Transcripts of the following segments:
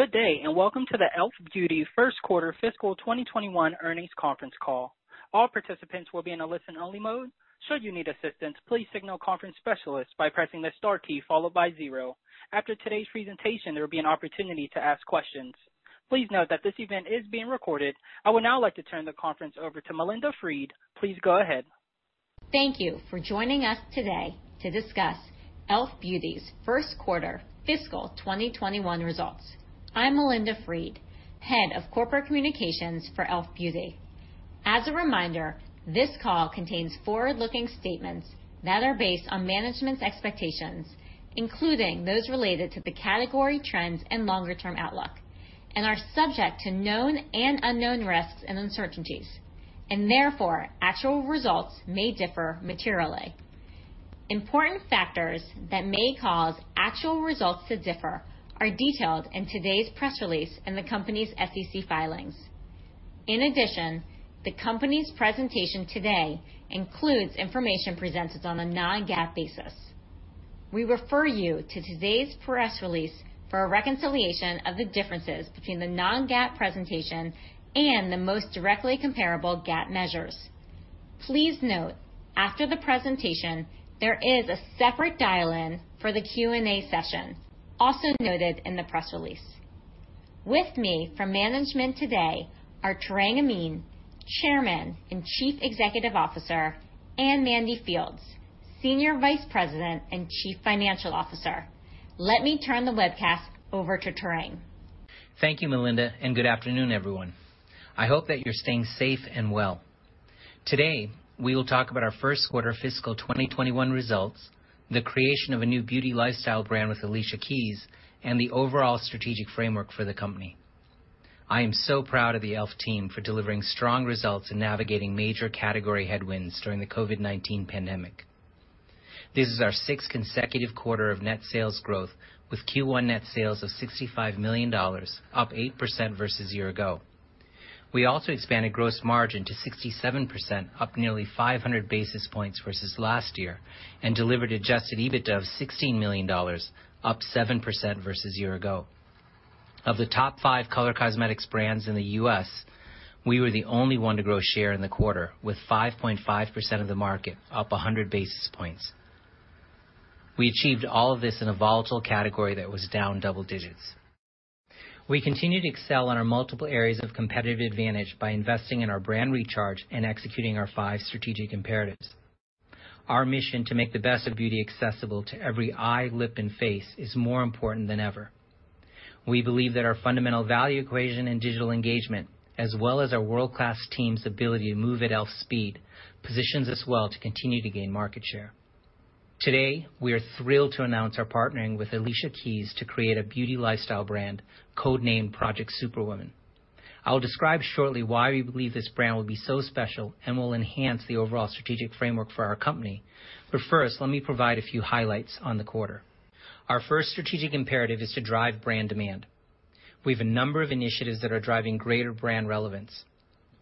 Good day, and welcome to the e.l.f. Beauty first quarter fiscal 2021 earnings conference call. All participants will be in a listen-only mode. Should you need assistance, please signal conference specialist by pressing the star key followed by zero. After today's presentation, there will be an opportunity to ask questions. Please note that this event is being recorded. I would now like to turn the conference over to Melinda Fried. Please go ahead. Thank you for joining us today to discuss e.l.f. Beauty's first quarter fiscal 2021 results. I'm Melinda Fried, Head of Corporate Communications for e.l.f. Beauty. As a reminder, this call contains forward-looking statements that are based on management's expectations, including those related to the category trends and longer-term outlook, and are subject to known and unknown risks and uncertainties, and therefore, actual results may differ materially. Important factors that may cause actual results to differ are detailed in today's press release in the company's SEC filings. In addition, the company's presentation today includes information presented on a non-GAAP basis. We refer you to today's press release for a reconciliation of the differences between the non-GAAP presentation and the most directly comparable GAAP measures. Please note, after the presentation, there is a separate dial-in for the Q&A session, also noted in the press release. With me from management today are Tarang Amin, Chairman and Chief Executive Officer, and Mandy Fields, Senior Vice President and Chief Financial Officer. Let me turn the webcast over to Tarang. Thank you, Melinda. Good afternoon, everyone. I hope that you're staying safe and well. Today, we will talk about our first quarter fiscal 2021 results, the creation of a new beauty lifestyle brand with Alicia Keys, and the overall strategic framework for the company. I am so proud of the e.l.f. team for delivering strong results and navigating major category headwinds during the COVID-19 pandemic. This is our sixth consecutive quarter of net sales growth, with Q1 net sales of $65 million, up 8% versus a year ago. We also expanded gross margin to 67%, up nearly 500 basis points versus last year, and delivered adjusted EBITDA of $16 million, up 7% versus a year ago. Of the top five color cosmetics brands in the U.S., we were the only one to grow share in the quarter, with 5.5% of the market, up 100 basis points. We achieved all of this in a volatile category that was down double digits. We continue to excel in our multiple areas of competitive advantage by investing in our brand recharge and executing our five strategic imperatives. Our mission to make the best of beauty accessible to every eye, lip, and face is more important than ever. We believe that our fundamental value equation and digital engagement, as well as our world-class team's ability to move at e.l.f.'s speed, positions us well to continue to gain market share. Today, we are thrilled to announce our partnering with Alicia Keys to create a beauty lifestyle brand, code-named Project Superwoman. I will describe shortly why we believe this brand will be so special and will enhance the overall strategic framework for our company. First, let me provide a few highlights on the quarter. Our first strategic imperative is to drive brand demand. We have a number of initiatives that are driving greater brand relevance.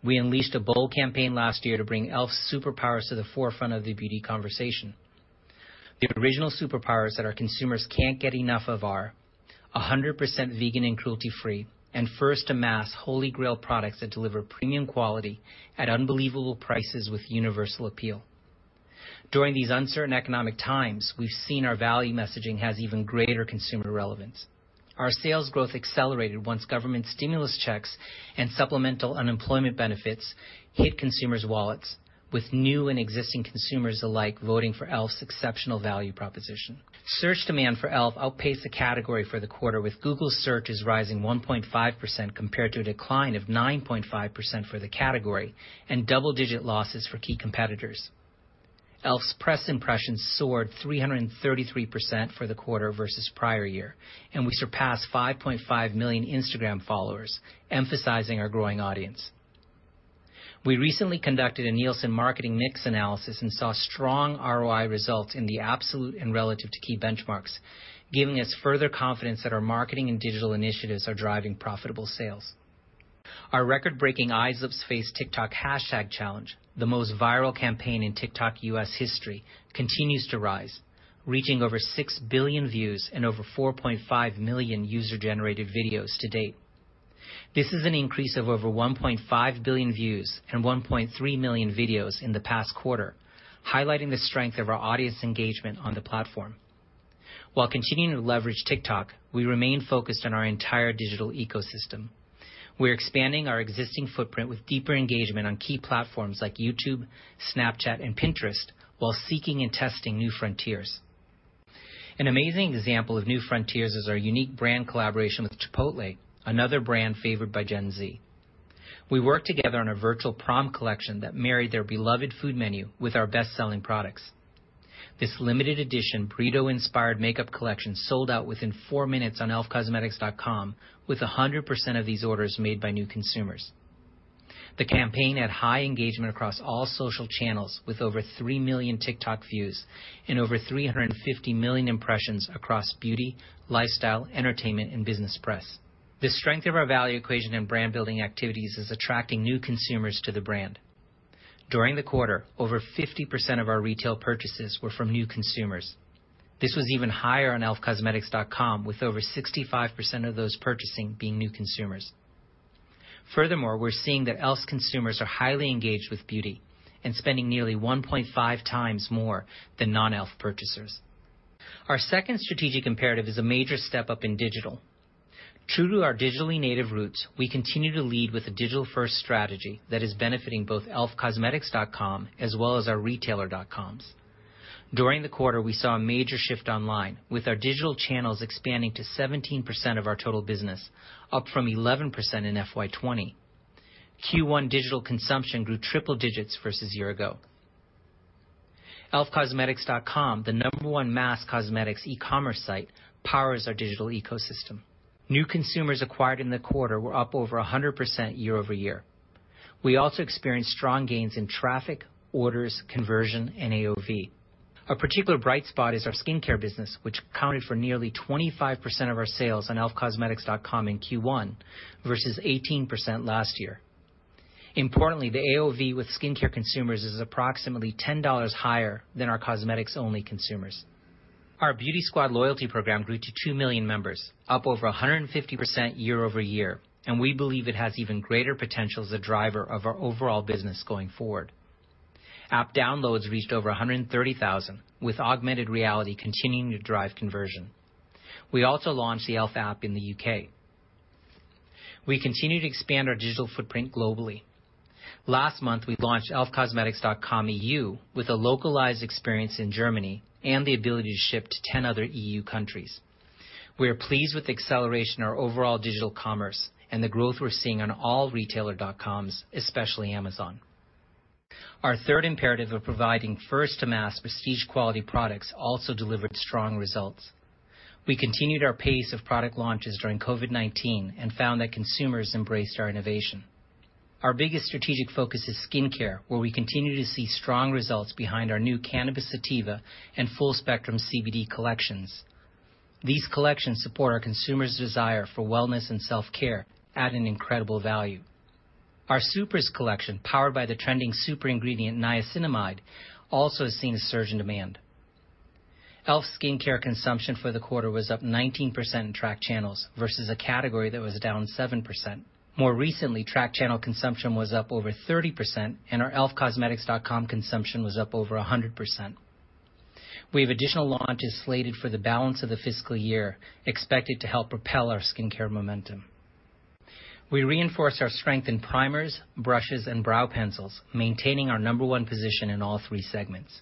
We unleashed a bold campaign last year to bring e.l.f.'s superpowers to the forefront of the beauty conversation. The original superpowers that our consumers can't get enough of are 100% vegan and cruelty-free, and first to mass holy grail products that deliver premium quality at unbelievable prices with universal appeal. During these uncertain economic times, we've seen our value messaging has even greater consumer relevance. Our sales growth accelerated once government stimulus checks and supplemental unemployment benefits hit consumers' wallets, with new and existing consumers alike voting for e.l.f.'s exceptional value proposition. Search demand for e.l.f. outpaced the category for the quarter, with Google searches rising 1.5% compared to a decline of 9.5% for the category and double-digit losses for key competitors. e.l.f.'s press impressions soared 333% for the quarter versus the prior year, and we surpassed 5.5 million Instagram followers, emphasizing our growing audience. We recently conducted a Nielsen marketing mix analysis and saw strong ROI results in the absolute and relative to key benchmarks, giving us further confidence that our marketing and digital initiatives are driving profitable sales. Our record-breaking Eyes Lips Face TikTok hashtag challenge, the most viral campaign in TikTok U.S. history, continues to rise, reaching over 6 billion views and over 4.5 million user-generated videos to date. This is an increase of over 1.5 billion views and 1.3 million videos in the past quarter, highlighting the strength of our audience engagement on the platform. While continuing to leverage TikTok, we remain focused on our entire digital ecosystem. We're expanding our existing footprint with deeper engagement on key platforms like YouTube, Snapchat, and Pinterest while seeking and testing new frontiers. An amazing example of new frontiers is our unique brand collaboration with Chipotle, another brand favored by Gen Z. We worked together on a virtual prom collection that married their beloved food menu with our best-selling products. This limited edition burrito-inspired makeup collection sold out within four minutes on elfcosmetics.com, with 100% of these orders made by new consumers. The campaign had high engagement across all social channels, with over 3 million TikTok views and over 350 million impressions across beauty, lifestyle, entertainment, and business press. The strength of our value equation and brand-building activities is attracting new consumers to the brand. During the quarter, over 50% of our retail purchases were from new consumers. This was even higher on elfcosmetics.com, with over 65% of those purchasing being new consumers. Furthermore, we're seeing that e.l.f.'s consumers are highly engaged with beauty and spending nearly 1.5 times more than non-e.l.f. purchasers. Our second strategic imperative is a major step up in digital. True to our digitally native roots, we continue to lead with a digital-first strategy that is benefiting both elfcosmetics.com as well as our retailer dot-coms. During the quarter, we saw a major shift online, with our digital channels expanding to 17% of our total business, up from 11% in FY 2020. Q1 digital consumption grew triple digits versus a year ago. elfcosmetics.com, the number one mass cosmetics e-commerce site, powers our digital ecosystem. New consumers acquired in the quarter were up over 100% year over year. We also experienced strong gains in traffic, orders, conversion, and AOV. A particular bright spot is our skincare business, which accounted for nearly 25% of our sales on elfcosmetics.com in Q1 versus 18% last year. Importantly, the AOV with skincare consumers is approximately $10 higher than our cosmetics-only consumers. Our Beauty Squad loyalty program grew to 2 million members, up over 150% year-over-year, and we believe it has even greater potential as a driver of our overall business going forward. App downloads reached over 130,000, with augmented reality continuing to drive conversion. We also launched the elf app in the U.K. We continue to expand our digital footprint globally. Last month, we launched elfcosmetics.com EU with a localized experience in Germany and the ability to ship to 10 other EU countries. We are pleased with the acceleration of our overall digital commerce and the growth we're seeing on all retailer dot-coms, especially Amazon. Our third imperative of providing first-to-mass prestige-quality products also delivered strong results. We continued our pace of product launches during COVID-19 and found that consumers embraced our innovation. Our biggest strategic focus is skincare, where we continue to see strong results behind our new Cannabis Sativa and full-spectrum CBD collections. These collections support our consumers' desire for wellness and self-care at an incredible value. Our Supers collection, powered by the trending super ingredient niacinamide, also has seen a surge in demand. e.l.f. skincare consumption for the quarter was up 19% in track channels versus a category that was down 7%. More recently, track channel consumption was up over 30%, and our elfcosmetics.com consumption was up over 100%. We have additional launches slated for the balance of the fiscal year, expected to help propel our skincare momentum. We reinforce our strength in primers, brushes, and brow pencils, maintaining our number one position in all three segments.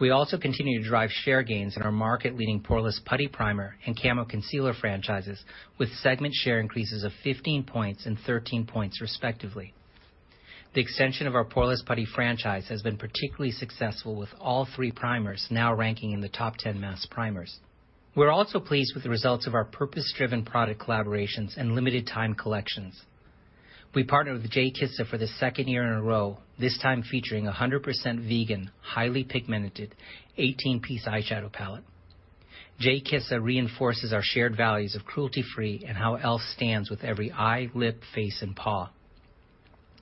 We also continue to drive share gains in our market-leading Poreless Putty Primer and Camo Concealer franchises, with segment share increases of 15 points and 13 points respectively. The extension of our Poreless Putty franchise has been particularly successful, with all three primers now ranking in the top 10 mass primers. We're also pleased with the results of our purpose-driven product collaborations and limited-time collections. We partnered with J.Kissa for the second year in a row, this time featuring a 100% vegan, highly pigmented, 18-piece eyeshadow palette. J.Kissa reinforces our shared values of cruelty-free and how e.l.f. stands with every Eyes Lips Face and paw.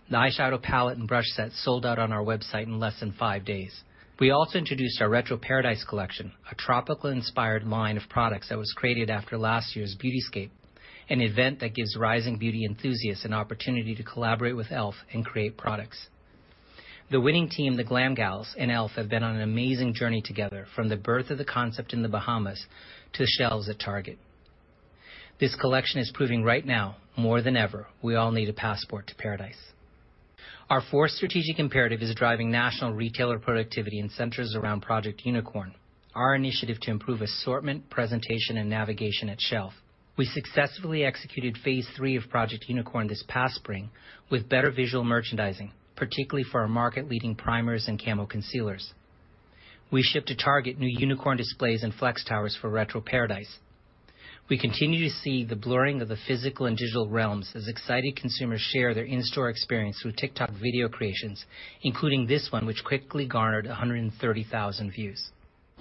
The eyeshadow palette and brush set sold out on our website in less than five days. We also introduced our Retro Paradise collection, a tropical-inspired line of products that was created after last year's Beautyscape, an event that gives rising beauty enthusiasts an opportunity to collaborate with e.l.f. and create products. The winning team, the Glam Gyals, and e.l.f. have been on an amazing journey together from the birth of the concept in the Bahamas to the shelves at Target. This collection is proving right now, more than ever, we all need a passport to paradise. Our fourth strategic imperative is driving national retailer productivity and centers around Project Unicorn, our initiative to improve assortment, presentation, and navigation at shelf. We successfully executed phase three of Project Unicorn this past spring with better visual merchandising, particularly for our market-leading primers and Camo Concealers. We shipped to Target new Unicorn displays and flex towers for Retro Paradise. We continue to see the blurring of the physical and digital realms as excited consumers share their in-store experience through TikTok video creations, including this one, which quickly garnered 130,000 views.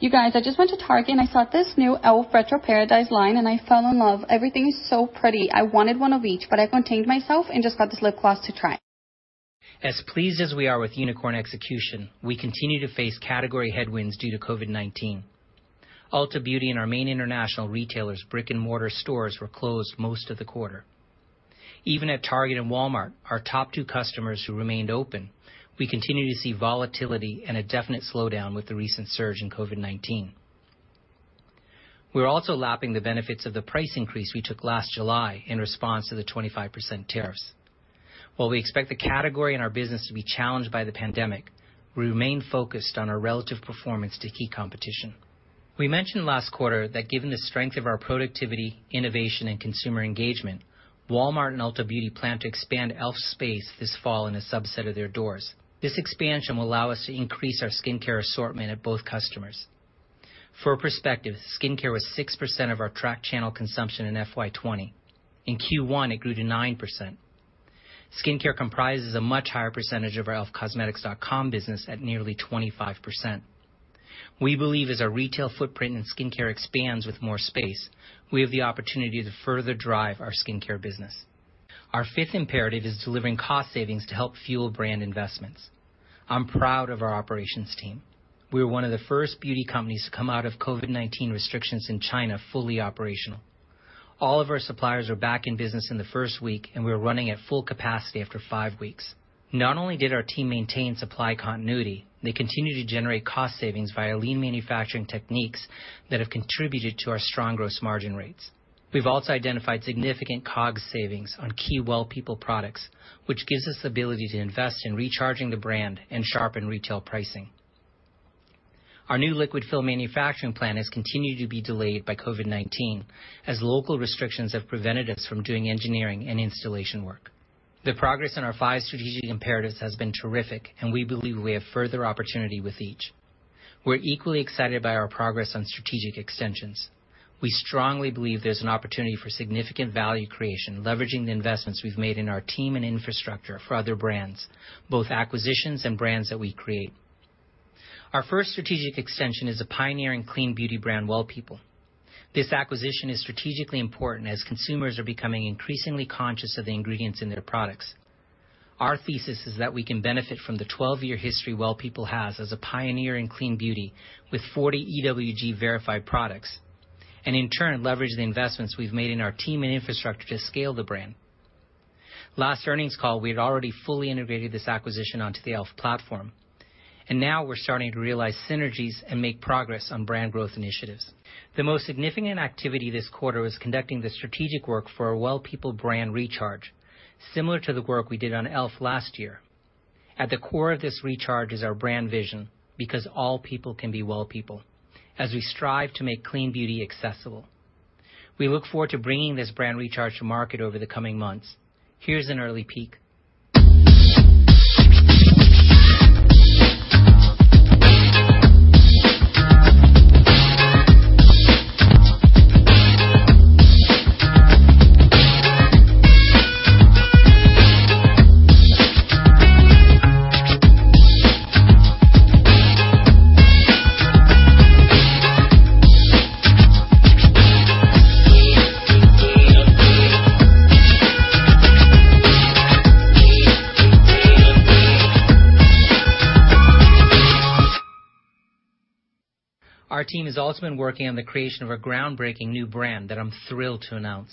You guys, I just went to Target, and I saw this new e.l.f. Retro Paradise line, and I fell in love. Everything is so pretty. I wanted one of each, but I contained myself and just got this lip gloss to try. As pleased as we are with Project Unicorn execution, we continue to face category headwinds due to COVID-19. Ulta Beauty and our main international retailers' brick-and-mortar stores were closed most of the quarter. Even at Target and Walmart, our top two customers who remained open, we continue to see volatility and a definite slowdown with the recent surge in COVID-19. We're also lapping the benefits of the price increase we took last July in response to the 25% tariffs. While we expect the category and our business to be challenged by the pandemic, we remain focused on our relative performance to key competition. We mentioned last quarter that given the strength of our productivity, innovation, and consumer engagement, Walmart and Ulta Beauty plan to expand e.l.f. space this fall in a subset of their doors. This expansion will allow us to increase our skincare assortment at both customers. For perspective, skincare was 6% of our track channel consumption in FY20. In Q1, it grew to 9%. Skincare comprises a much higher percentage of our elfcosmetics.com business at nearly 25%. We believe as our retail footprint in skincare expands with more space, we have the opportunity to further drive our skincare business. Our fifth imperative is delivering cost savings to help fuel brand investments. I'm proud of our operations team. We were one of the first beauty companies to come out of COVID-19 restrictions in China, fully operational. All of our suppliers were back in business in the first week, and we were running at full capacity after five weeks. Not only did our team maintain supply continuity, they continued to generate cost savings via lean manufacturing techniques that have contributed to our strong gross margin rates. We've also identified significant COGS savings on key Well People products, which gives us the ability to invest in recharging the brand and sharpen retail pricing. Our new liquid fill manufacturing plant has continued to be delayed by COVID-19, as local restrictions have prevented us from doing engineering and installation work. The progress in our five strategic imperatives has been terrific, and we believe we have further opportunity with each. We're equally excited by our progress on strategic extensions. We strongly believe there's an opportunity for significant value creation, leveraging the investments we've made in our team and infrastructure for other brands, both acquisitions and brands that we create. Our first strategic extension is a pioneering clean beauty brand, Well People. This acquisition is strategically important as consumers are becoming increasingly conscious of the ingredients in their products. Our thesis is that we can benefit from the 12-year history Well People has as a pioneer in clean beauty with 40 EWG verified products. In turn, leverage the investments we've made in our team and infrastructure to scale the brand. Last earnings call, we had already fully integrated this acquisition onto the e.l.f. platform, and now we're starting to realize synergies and make progress on brand growth initiatives. The most significant activity this quarter was conducting the strategic work for our Well People brand recharge, similar to the work we did on e.l.f. last year. At the core of this recharge is our brand vision "Because all people can be Well People," as we strive to make clean beauty accessible. We look forward to bringing this brand recharge to market over the coming months. Here's an early peek. Our team has also been working on the creation of a groundbreaking new brand that I'm thrilled to announce.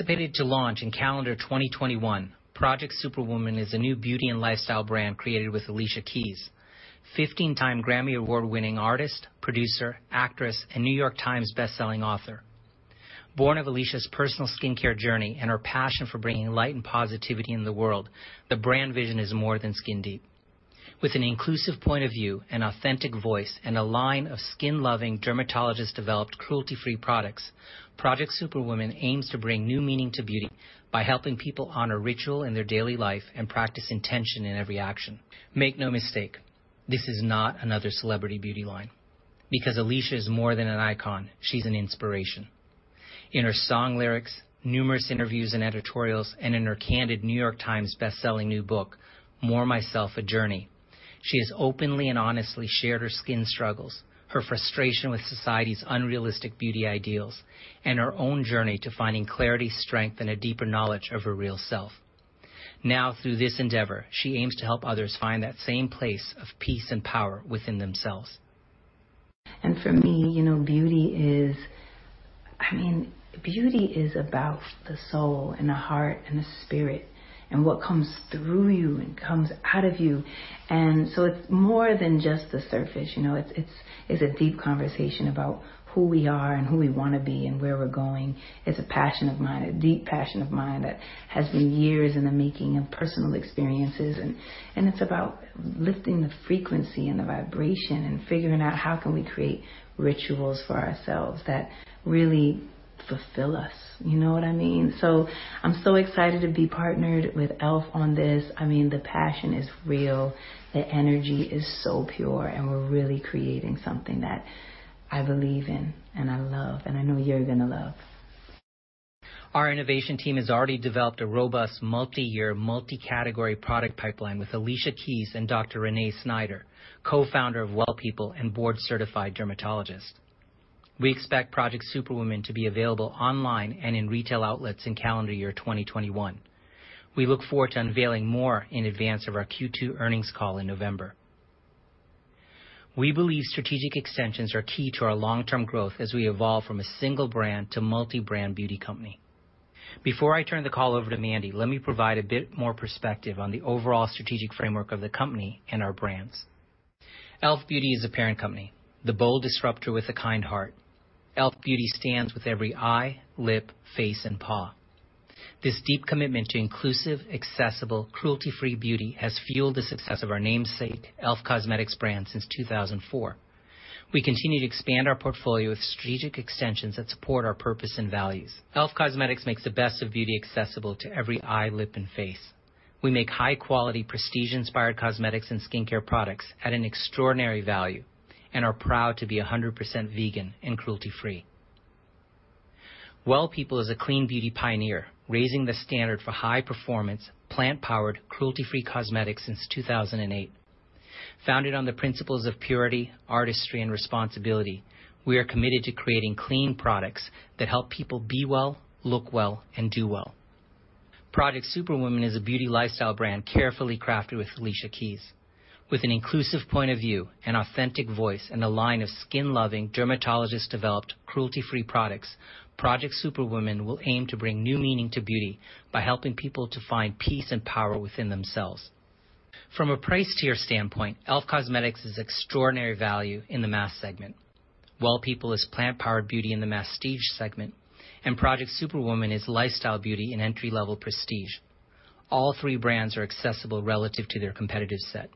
This girl is on fire. This girl is on fire. She's walking on fire. This girl is on fire. Anticipated to launch in calendar 2021, Project Superwoman is a new beauty and lifestyle brand created with Alicia Keys, 15-time Grammy Award-winning artist, producer, actress, and New York Times bestselling author. Born of Alicia's personal skincare journey and her passion for bringing light and positivity in the world, the brand vision is more than skin deep. With an inclusive point of view, an authentic voice, and a line of skin-loving, dermatologist-developed, cruelty-free products, Project Superwoman aims to bring new meaning to beauty by helping people honor ritual in their daily life and practice intention in every action. Make no mistake, this is not another celebrity beauty line, because Alicia is more than an icon, she's an inspiration. In her song lyrics, numerous interviews and editorials, and in her candid The New York Times bestselling new book, "More Myself: A Journey," she has openly and honestly shared her skin struggles, her frustration with society's unrealistic beauty ideals, and her own journey to finding clarity, strength, and a deeper knowledge of her real self. Now, through this endeavor, she aims to help others find that same place of peace and power within themselves. For me, beauty is about the soul and the heart and the spirit, and what comes through you and comes out of you. It's more than just the surface. It's a deep conversation about who we are and who we want to be and where we're going. It's a passion of mine, a deep passion of mine that has been years in the making of personal experiences, and it's about lifting the frequency and the vibration and figuring out how can we create rituals for ourselves that really fulfill us. You know what I mean? I'm so excited to be partnered with e.l.f. on this. The passion is real, the energy is so pure, and we're really creating something that I believe in and I love, and I know you're going to love. Our innovation team has already developed a robust multi-year, multi-category product pipeline with Alicia Keys and Dr. Renée Snyder, co-founder of Well People and board-certified dermatologist. We expect Project Superwoman to be available online and in retail outlets in calendar year 2021. We look forward to unveiling more in advance of our Q2 earnings call in November. We believe strategic extensions are key to our long-term growth as we evolve from a single brand to multi-brand beauty company. Before I turn the call over to Mandy, let me provide a bit more perspective on the overall strategic framework of the company and our brands. e.l.f. Beauty is a parent company, the bold disruptor with a kind heart. e.l.f. Beauty stands with every eye, lip, face, and paw. This deep commitment to inclusive, accessible, cruelty-free beauty has fueled the success of our namesake, e.l.f. Cosmetics brand since 2004. We continue to expand our portfolio with strategic extensions that support our purpose and values. e.l.f. Cosmetics makes the best of beauty accessible to every eye, lip, and face. We make high quality, prestige-inspired cosmetics and skincare products at an extraordinary value and are proud to be 100% vegan and cruelty-free. Well People is a clean beauty pioneer, raising the standard for high performance, plant-powered, cruelty-free cosmetics since 2008. Founded on the principles of purity, artistry, and responsibility, we are committed to creating clean products that help people be well, look well, and do well. Project Superwoman is a beauty lifestyle brand carefully crafted with Alicia Keys. With an inclusive point of view, an authentic voice, and a line of skin-loving, dermatologist-developed, cruelty-free products, Project Superwoman will aim to bring new meaning to beauty by helping people to find peace and power within themselves. Cosmetics is extraordinary value in the mass segment. Well People is plant-powered beauty in the masstige segment, and Project Superwoman is lifestyle beauty and entry-level prestige. All three brands are accessible relative to their competitive set.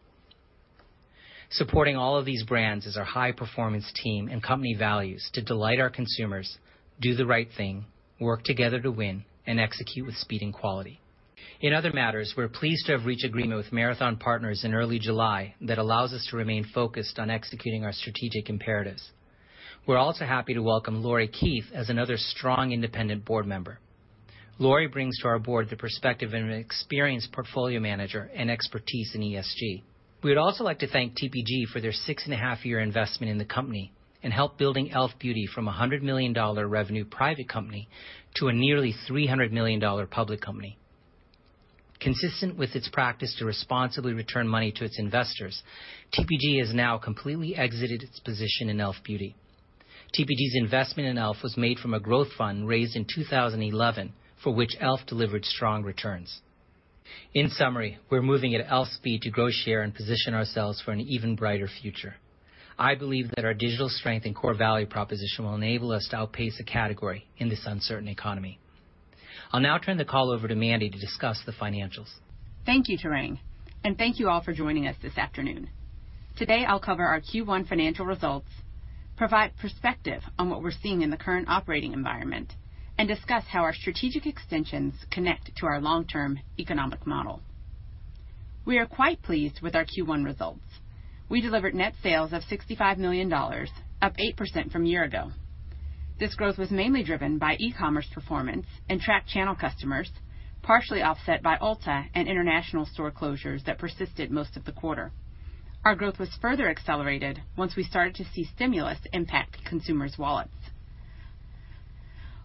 Supporting all of these brands is our high-performance team and company values to delight our consumers, do the right thing, work together to win, and execute with speed and quality. In other matters, we're pleased to have reached agreement with Marathon Partners in early July that allows us to remain focused on executing our strategic imperatives. We're also happy to welcome Lori Keith as another strong independent board member. Lori brings to our board the perspective of an experienced portfolio manager and expertise in ESG. We'd also like to thank TPG for their six-and-a-half-year investment in the company and help building e.l.f. Beauty from $100 million revenue private company to a nearly $300 million public company. Consistent with its practice to responsibly return money to its investors, TPG has now completely exited its position in e.l.f. Beauty. TPG's investment in e.l.f. was made from a growth fund raised in 2011, for which e.l.f. delivered strong returns. In summary, we're moving at e.l.f. speed to grow, share, and position ourselves for an even brighter future. I believe that our digital strength and core value proposition will enable us to outpace the category in this uncertain economy. I'll now turn the call over to Mandy to discuss the financials. Thank you, Tarang, and thank you all for joining us this afternoon. Today, I'll cover our Q1 financial results, provide perspective on what we're seeing in the current operating environment, and discuss how our strategic extensions connect to our long-term economic model. We are quite pleased with our Q1 results. We delivered net sales of $65 million, up 8% from a year ago. This growth was mainly driven by e-commerce performance and track channel customers, partially offset by Ulta and international store closures that persisted most of the quarter. Our growth was further accelerated once we started to see stimulus impact consumers' wallets.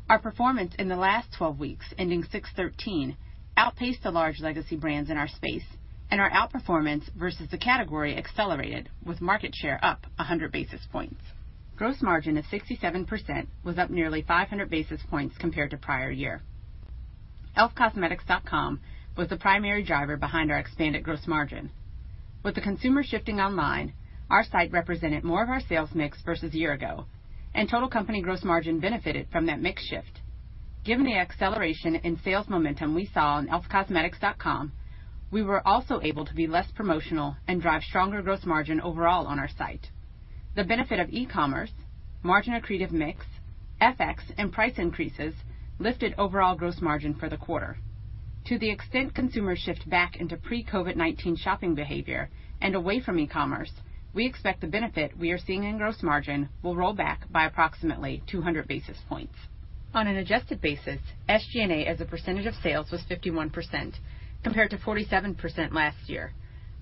Our performance in the last 12 weeks, ending 6/13, outpaced the large legacy brands in our space, and our outperformance versus the category accelerated, with market share up 100 basis points. Gross margin of 67% was up nearly 500 basis points compared to prior year. elfcosmetics.com was the primary driver behind our expanded gross margin. With the consumer shifting online, our site represented more of our sales mix versus a year ago, and total company gross margin benefited from that mix shift. Given the acceleration in sales momentum we saw on elfcosmetics.com, we were also able to be less promotional and drive stronger gross margin overall on our site. The benefit of e-commerce, margin accretive mix, FX, and price increases lifted overall gross margin for the quarter. To the extent consumers shift back into pre-COVID-19 shopping behavior and away from e-commerce, we expect the benefit we are seeing in gross margin will roll back by approximately 200 basis points. On an adjusted basis, SG&A as a percentage of sales was 51% compared to 47% last year,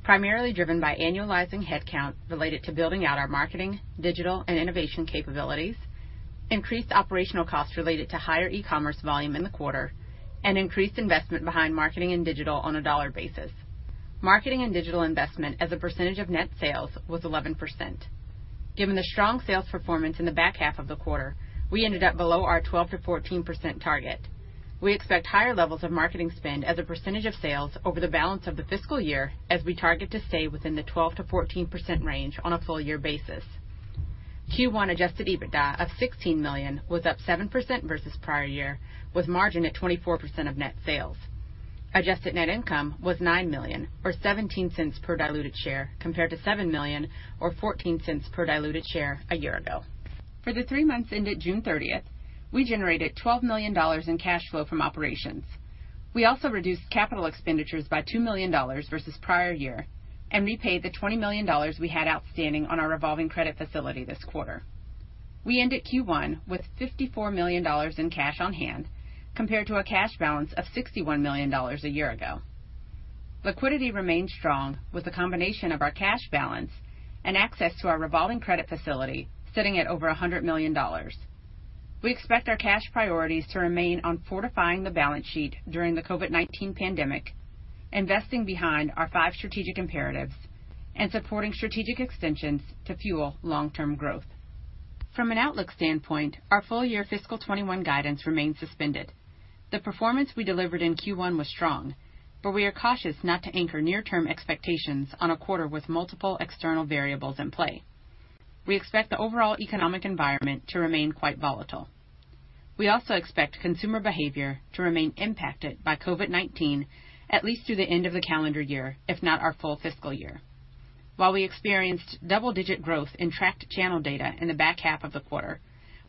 primarily driven by annualizing headcount related to building out our marketing, digital, and innovation capabilities, increased operational costs related to higher e-commerce volume in the quarter, and increased investment behind marketing and digital on a dollar basis. Marketing and digital investment as a percentage of net sales was 11%. Given the strong sales performance in the back half of the quarter, we ended up below our 12%-14% target. We expect higher levels of marketing spend as a percentage of sales over the balance of the fiscal year as we target to stay within the 12%-14% range on a full year basis. Q1 adjusted EBITDA of $16 million was up 7% versus prior year, with margin at 24% of net sales. Adjusted net income was $9 million or $0.17 per diluted share compared to $7 million or $0.14 per diluted share a year ago. For the three months ended June 30th, we generated $12 million in cash flow from operations. We also reduced capital expenditures by $2 million versus the prior year and repaid the $20 million we had outstanding on our revolving credit facility this quarter. We end at Q1 with $54 million in cash on hand compared to a cash balance of $61 million a year ago. Liquidity remains strong with the combination of our cash balance and access to our revolving credit facility, sitting at over $100 million. We expect our cash priorities to remain on fortifying the balance sheet during the COVID-19 pandemic, investing behind our five strategic imperatives, and supporting strategic extensions to fuel long-term growth. From an outlook standpoint, our full-year fiscal 2021 guidance remains suspended. The performance we delivered in Q1 was strong, but we are cautious not to anchor near-term expectations on a quarter with multiple external variables in play. We expect the overall economic environment to remain quite volatile. We also expect consumer behavior to remain impacted by COVID-19 at least through the end of the calendar year, if not our full fiscal year. While we experienced double-digit growth in tracked channel data in the back half of the quarter,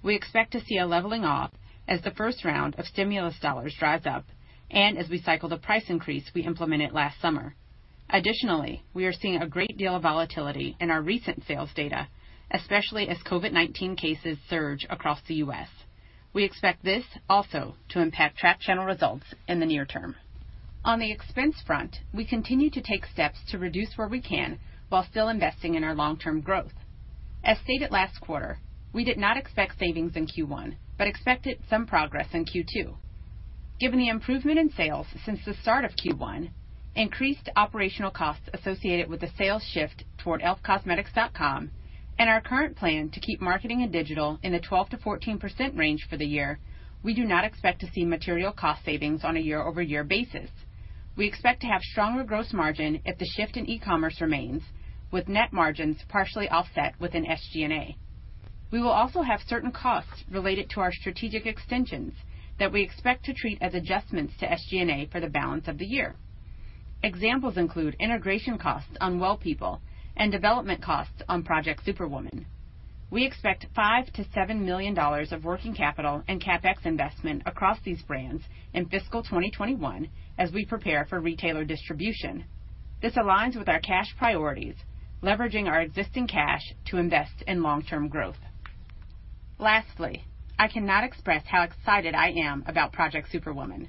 we expect to see a leveling off as the first round of stimulus dollars dries up and as we cycle the price increase we implemented last summer. We are seeing a great deal of volatility in our recent sales data, especially as COVID-19 cases surge across the U.S. We expect this also to impact tracked channel results in the near term. On the expense front, we continue to take steps to reduce where we can while still investing in our long-term growth. As stated last quarter, we did not expect savings in Q1, but expected some progress in Q2. Given the improvement in sales since the start of Q1, increased operational costs associated with the sales shift toward elfcosmetics.com, and our current plan to keep marketing and digital in the 12%-14% range for the year, we do not expect to see material cost savings on a year-over-year basis. We expect to have stronger gross margin if the shift in e-commerce remains, with net margins partially offset within SG&A. We will also have certain costs related to our strategic extensions that we expect to treat as adjustments to SG&A for the balance of the year. Examples include integration costs on Well People and development costs on Project Superwoman. We expect $5 million-$7 million of working capital and CapEx investment across these brands in fiscal 2021 as we prepare for retailer distribution. This aligns with our cash priorities, leveraging our existing cash to invest in long-term growth. Lastly, I cannot express how excited I am about Project Superwoman.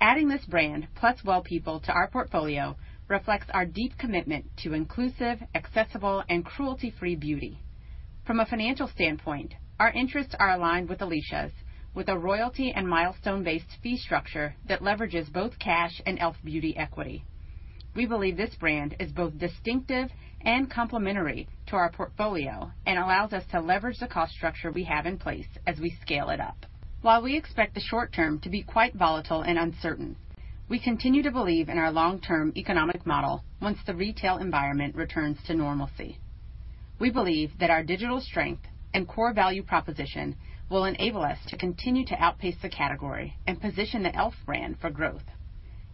Adding this brand, plus Well People, to our portfolio reflects our deep commitment to inclusive, accessible, and cruelty-free beauty. From a financial standpoint, our interests are aligned with Alicia's, with a royalty and milestone-based fee structure that leverages both cash and e.l.f. Beauty equity. We believe this brand is both distinctive and complementary to our portfolio and allows us to leverage the cost structure we have in place as we scale it up. While we expect the short term to be quite volatile and uncertain, we continue to believe in our long-term economic model once the retail environment returns to normalcy. We believe that our digital strength and core value proposition will enable us to continue to outpace the category and position the e.l.f. brand for growth.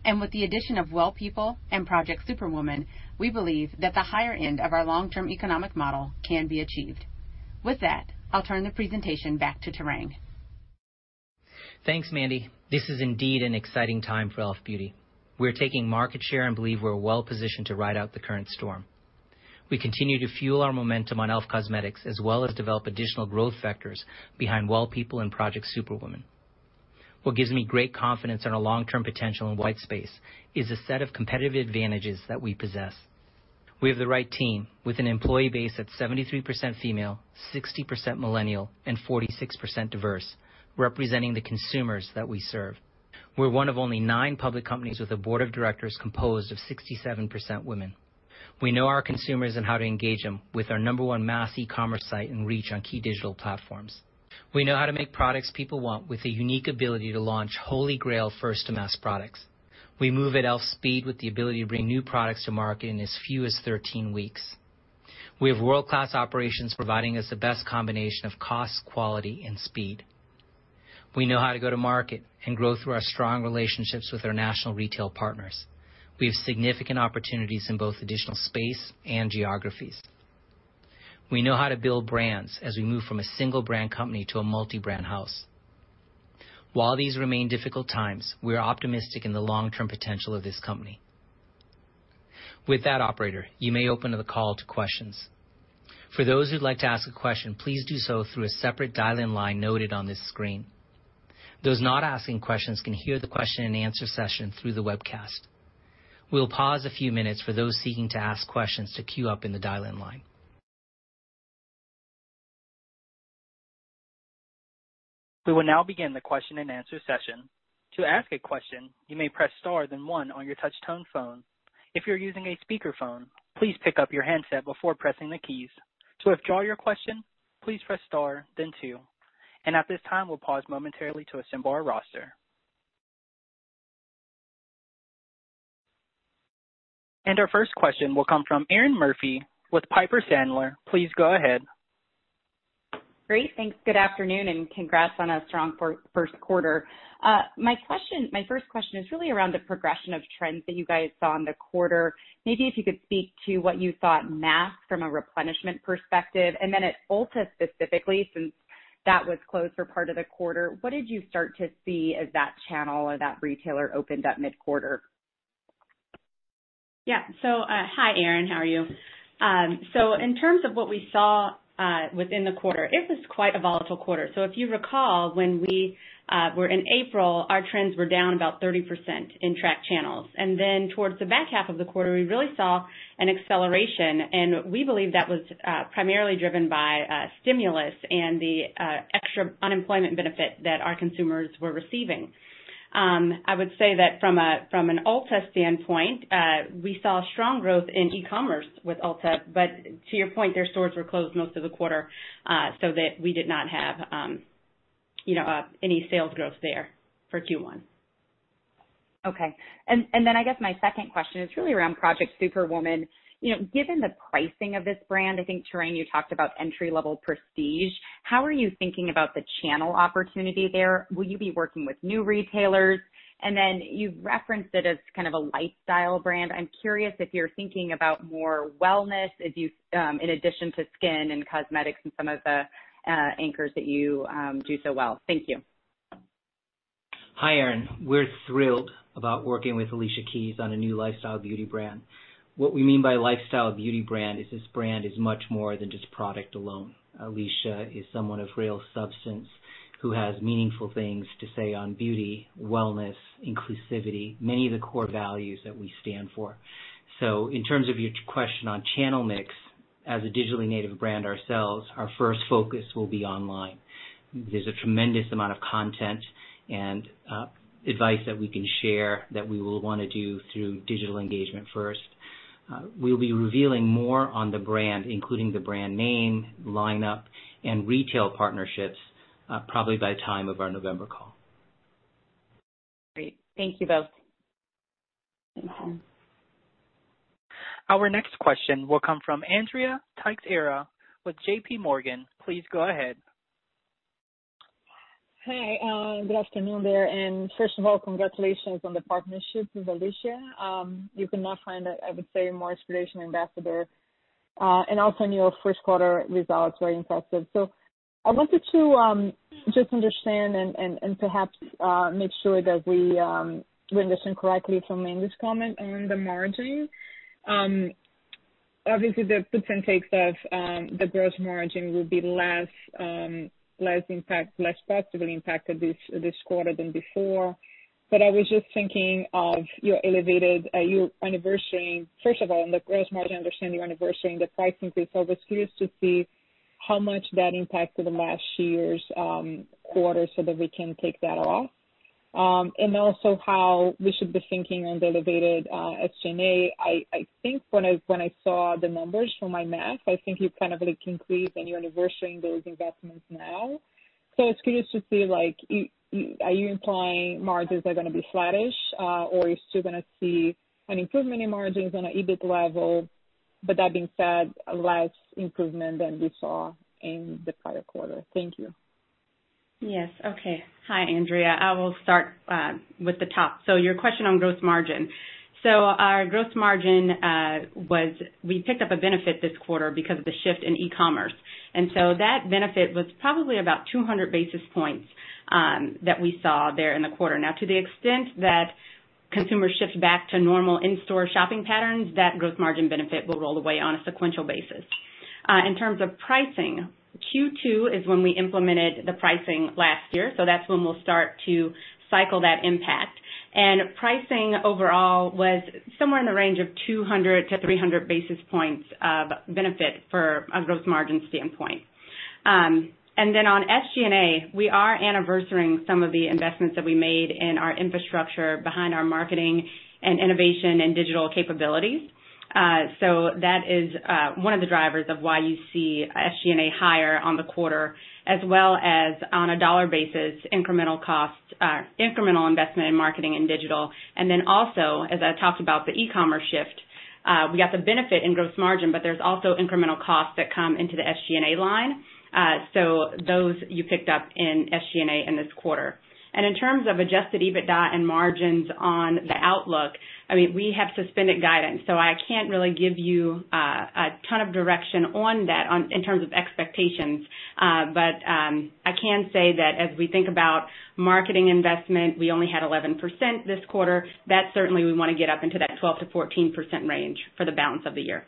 With the addition of Well People and Project Superwoman, we believe that the higher end of our long-term economic model can be achieved. With that, I'll turn the presentation back to Tarang. Thanks, Mandy. This is indeed an exciting time for e.l.f. Beauty. We're taking market share and believe we're well-positioned to ride out the current storm. We continue to fuel our momentum on e.l.f. Cosmetics, as well as develop additional growth vectors behind Well People and Project Superwoman. What gives me great confidence in our long-term potential in white space is the set of competitive advantages that we possess. We have the right team, with an employee base that's 73% female, 60% millennial, and 46% diverse, representing the consumers that we serve. We're one of only nine public companies with a board of directors composed of 67% women. We know our consumers and how to engage them with our number one mass e-commerce site and reach on key digital platforms. We know how to make products people want with a unique ability to launch Holy Grail first-to-mass products. We move at e.l.f. speed with the ability to bring new products to market in as few as 13 weeks. We have world-class operations providing us the best combination of cost, quality, and speed. We know how to go to market and grow through our strong relationships with our national retail partners. We have significant opportunities in both additional space and geographies. We know how to build brands as we move from a single brand company to a multi-brand house. While these remain difficult times, we are optimistic in the long-term potential of this company. With that, operator, you may open the call to questions. For those who'd like to ask a question, please do so through a separate dial-in line noted on this screen. Those not asking questions can hear the question and answer session through the webcast. We'll pause a few minutes for those seeking to ask questions to queue up in the dial-in line. We will now begin the question and answer session. To ask a question, you may press star then one on your touchtone phone. If you're using a speakerphone, please pick up your handset before pressing the keys. To withdraw your question, please press star then two. At this time, we'll pause momentarily to assemble our roster. Our first question will come from Erinn Murphy with Piper Sandler. Please go ahead. Great. Thanks. Good afternoon, congrats on a strong first quarter. My first question is really around the progression of trends that you guys saw in the quarter. Maybe if you could speak to what you thought masked from a replenishment perspective, and then at Ulta specifically, since that was closed for part of the quarter, what did you start to see as that channel or that retailer opened up mid-quarter? Yeah. Hi, Erinn. How are you? In terms of what we saw within the quarter, it was quite a volatile quarter. If you recall, when we were in April, our trends were down about 30% in tracked channels. Towards the back half of the quarter, we really saw an acceleration, and we believe that was primarily driven by stimulus and the extra unemployment benefit that our consumers were receiving. I would say that from an Ulta standpoint, we saw strong growth in e-commerce with Ulta, but to your point, their stores were closed most of the quarter, so that we did not have any sales growth there for Q1. Okay. I guess my second question is really around Project Superwoman. Given the pricing of this brand, I think, Tarang, you talked about entry-level prestige. How are you thinking about the channel opportunity there? Will you be working with new retailers? You've referenced it as kind of a lifestyle brand. I'm curious if you're thinking about more wellness, in addition to skin and cosmetics and some of the anchors that you do so well. Thank you. Hi, Erinn. We're thrilled about working with Alicia Keys on a new lifestyle beauty brand. What we mean by lifestyle beauty brand is this brand is much more than just product alone. Alicia is someone of real substance who has meaningful things to say on beauty, wellness, inclusivity, many of the core values that we stand for. In terms of your question on channel mix, as a digitally native brand ourselves, our first focus will be online. There's a tremendous amount of content and advice that we can share that we will want to do through digital engagement first. We'll be revealing more on the brand, including the brand name, lineup, and retail partnerships, probably by the time of our November call. Great. Thank you both. Our next question will come from Andrea Teixeira with JPMorgan. Please go ahead. Hi. Good afternoon there. First of all, congratulations on the partnership with Alicia. You cannot find, I would say, a more inspirational ambassador. Also in your first quarter results, very impressive. I wanted to just understand and perhaps make sure that we understand correctly from Mandy's comment on the margin. Obviously, the puts and takes of the gross margin will be less positively impacted this quarter than before. I was just thinking of your anniversarying. First of all, on the gross margin, I understand you're anniversarying the price increase. I was curious to see how much that impacted last year's quarter so that we can take that off. Also how we should be thinking on the elevated SG&A. I think when I saw the numbers from my math, I think you've kind of like increased and you're anniversarying those investments now. I was curious to see, are you implying margins are going to be flattish? Are you still going to see an improvement in margins on an EBIT level, but that being said, less improvement than we saw in the prior quarter? Thank you. Yes. Okay. Hi, Andrea. I will start with the top. Your question on gross margin. Our gross margin, we picked up a benefit this quarter because of the shift in e-commerce. That benefit was probably about 200 basis points that we saw there in the quarter. Now, to the extent that consumer shifts back to normal in-store shopping patterns, that gross margin benefit will roll away on a sequential basis. In terms of pricing, Q2 is when we implemented the pricing last year, that's when we'll start to cycle that impact. Pricing overall was somewhere in the range of 200 to 300 basis points of benefit for a gross margin standpoint. On SG&A, we are anniversarying some of the investments that we made in our infrastructure behind our marketing and innovation and digital capabilities. That is one of the drivers of why you see SG&A higher on the quarter, as well as on a dollar basis, incremental investment in marketing and digital. Also, as I talked about the e-commerce shift, we got the benefit in gross margin, but there's also incremental costs that come into the SG&A line. Those, you picked up in SG&A in this quarter. In terms of adjusted EBITDA and margins on the outlook, we have suspended guidance, so I can't really give you a ton of direction on that in terms of expectations. I can say that as we think about marketing investment, we only had 11% this quarter. That certainly we want to get up into that 12-14% range for the balance of the year.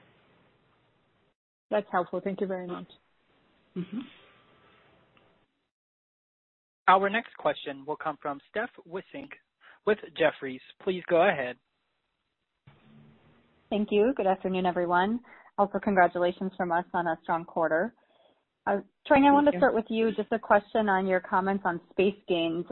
That's helpful. Thank you very much. Our next question will come from Stephanie Wissink with Jefferies. Please go ahead. Thank you. Good afternoon, everyone. Also, congratulations from us on a strong quarter. Thank you. I want to start with you. Just a question on your comments on space gains.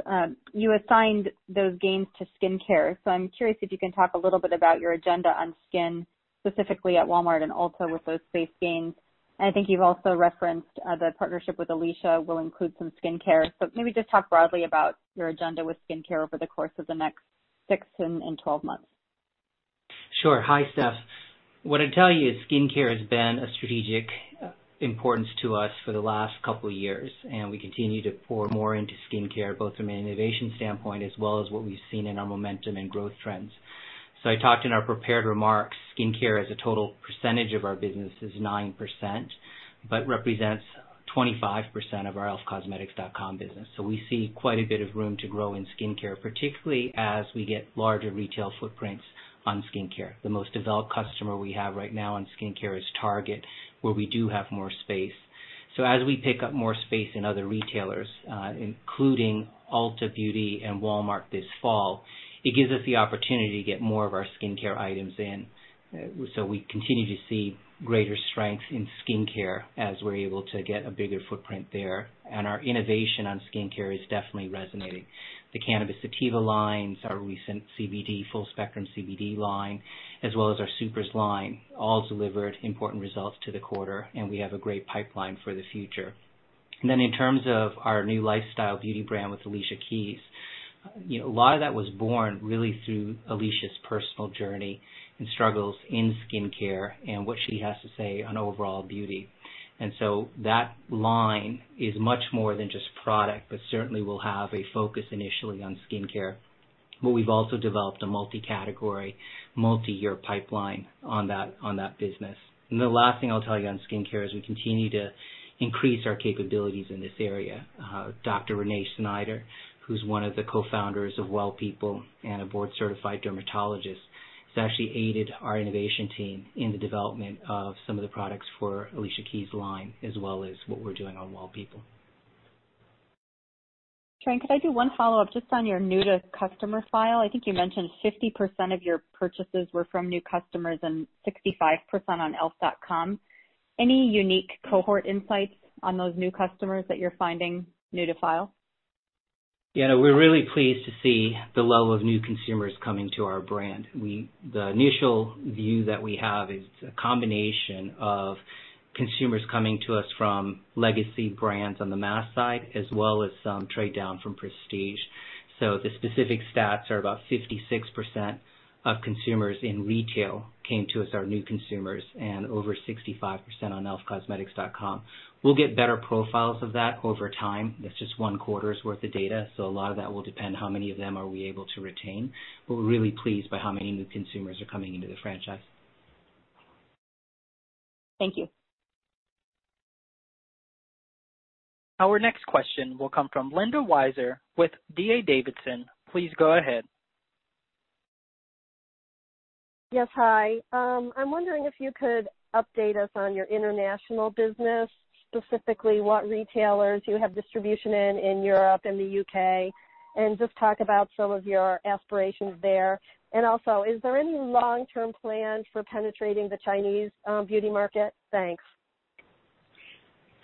You assigned those gains to skincare, so I'm curious if you can talk a little bit about your agenda on skin, specifically at Walmart and Ulta with those space gains. I think you've also referenced the partnership with Alicia will include some skincare. Maybe just talk broadly about your agenda with skincare over the course of the next six and 12 months. Sure. Hi, Steph. What I'd tell you is skincare has been a strategic importance to us for the last couple of years, and we continue to pour more into skincare, both from an innovation standpoint as well as what we've seen in our momentum and growth trends. I talked in our prepared remarks, skincare as a total percentage of our business is 9%, but represents 25% of our elfcosmetics.com business. We see quite a bit of room to grow in skincare, particularly as we get larger retail footprints on skincare. The most developed customer we have right now in skincare is Target, where we do have more space. As we pick up more space in other retailers, including Ulta Beauty and Walmart this fall, it gives us the opportunity to get more of our skincare items in. We continue to see greater strength in skincare as we're able to get a bigger footprint there. Our innovation on skincare is definitely resonating. The Cannabis Sativa lines, our recent CBD, full spectrum CBD line, as well as our The Supers line, all delivered important results to the quarter, and we have a great pipeline for the future. In terms of our new lifestyle beauty brand with Alicia Keys, a lot of that was born really through Alicia's personal journey and struggles in skincare and what she has to say on overall beauty. That line is much more than just product, but certainly will have a focus initially on skincare. We've also developed a multi-category, multi-year pipeline on that business. The last thing I'll tell you on skincare is we continue to increase our capabilities in this area. Dr. Renée Snyder, who's one of the co-founders of Well People and a board-certified dermatologist, has actually aided our innovation team in the development of some of the products for Alicia Keys' line, as well as what we're doing on Well People. Tarang, could I do one follow-up just on your new to customer file? I think you mentioned 50% of your purchases were from new customers and 65% on elf.com. Any unique cohort insights on those new customers that you're finding new to file? Yeah, we're really pleased to see the level of new consumers coming to our brand. The initial view that we have is a combination of consumers coming to us from legacy brands on the mass side as well as some trade down from prestige. The specific stats are about 56% of consumers in retail came to us are new consumers, and over 65% on elfcosmetics.com. We'll get better profiles of that over time. That's just one quarter's worth of data, a lot of that will depend how many of them are we able to retain. We're really pleased by how many new consumers are coming into the franchise. Thank you. Our next question will come from Linda Weiser with D.A. Davidson. Please go ahead. Yes. Hi. I'm wondering if you could update us on your international business, specifically what retailers you have distribution in Europe and the U.K., and just talk about some of your aspirations there. Also, is there any long-term plan for penetrating the Chinese beauty market? Thanks.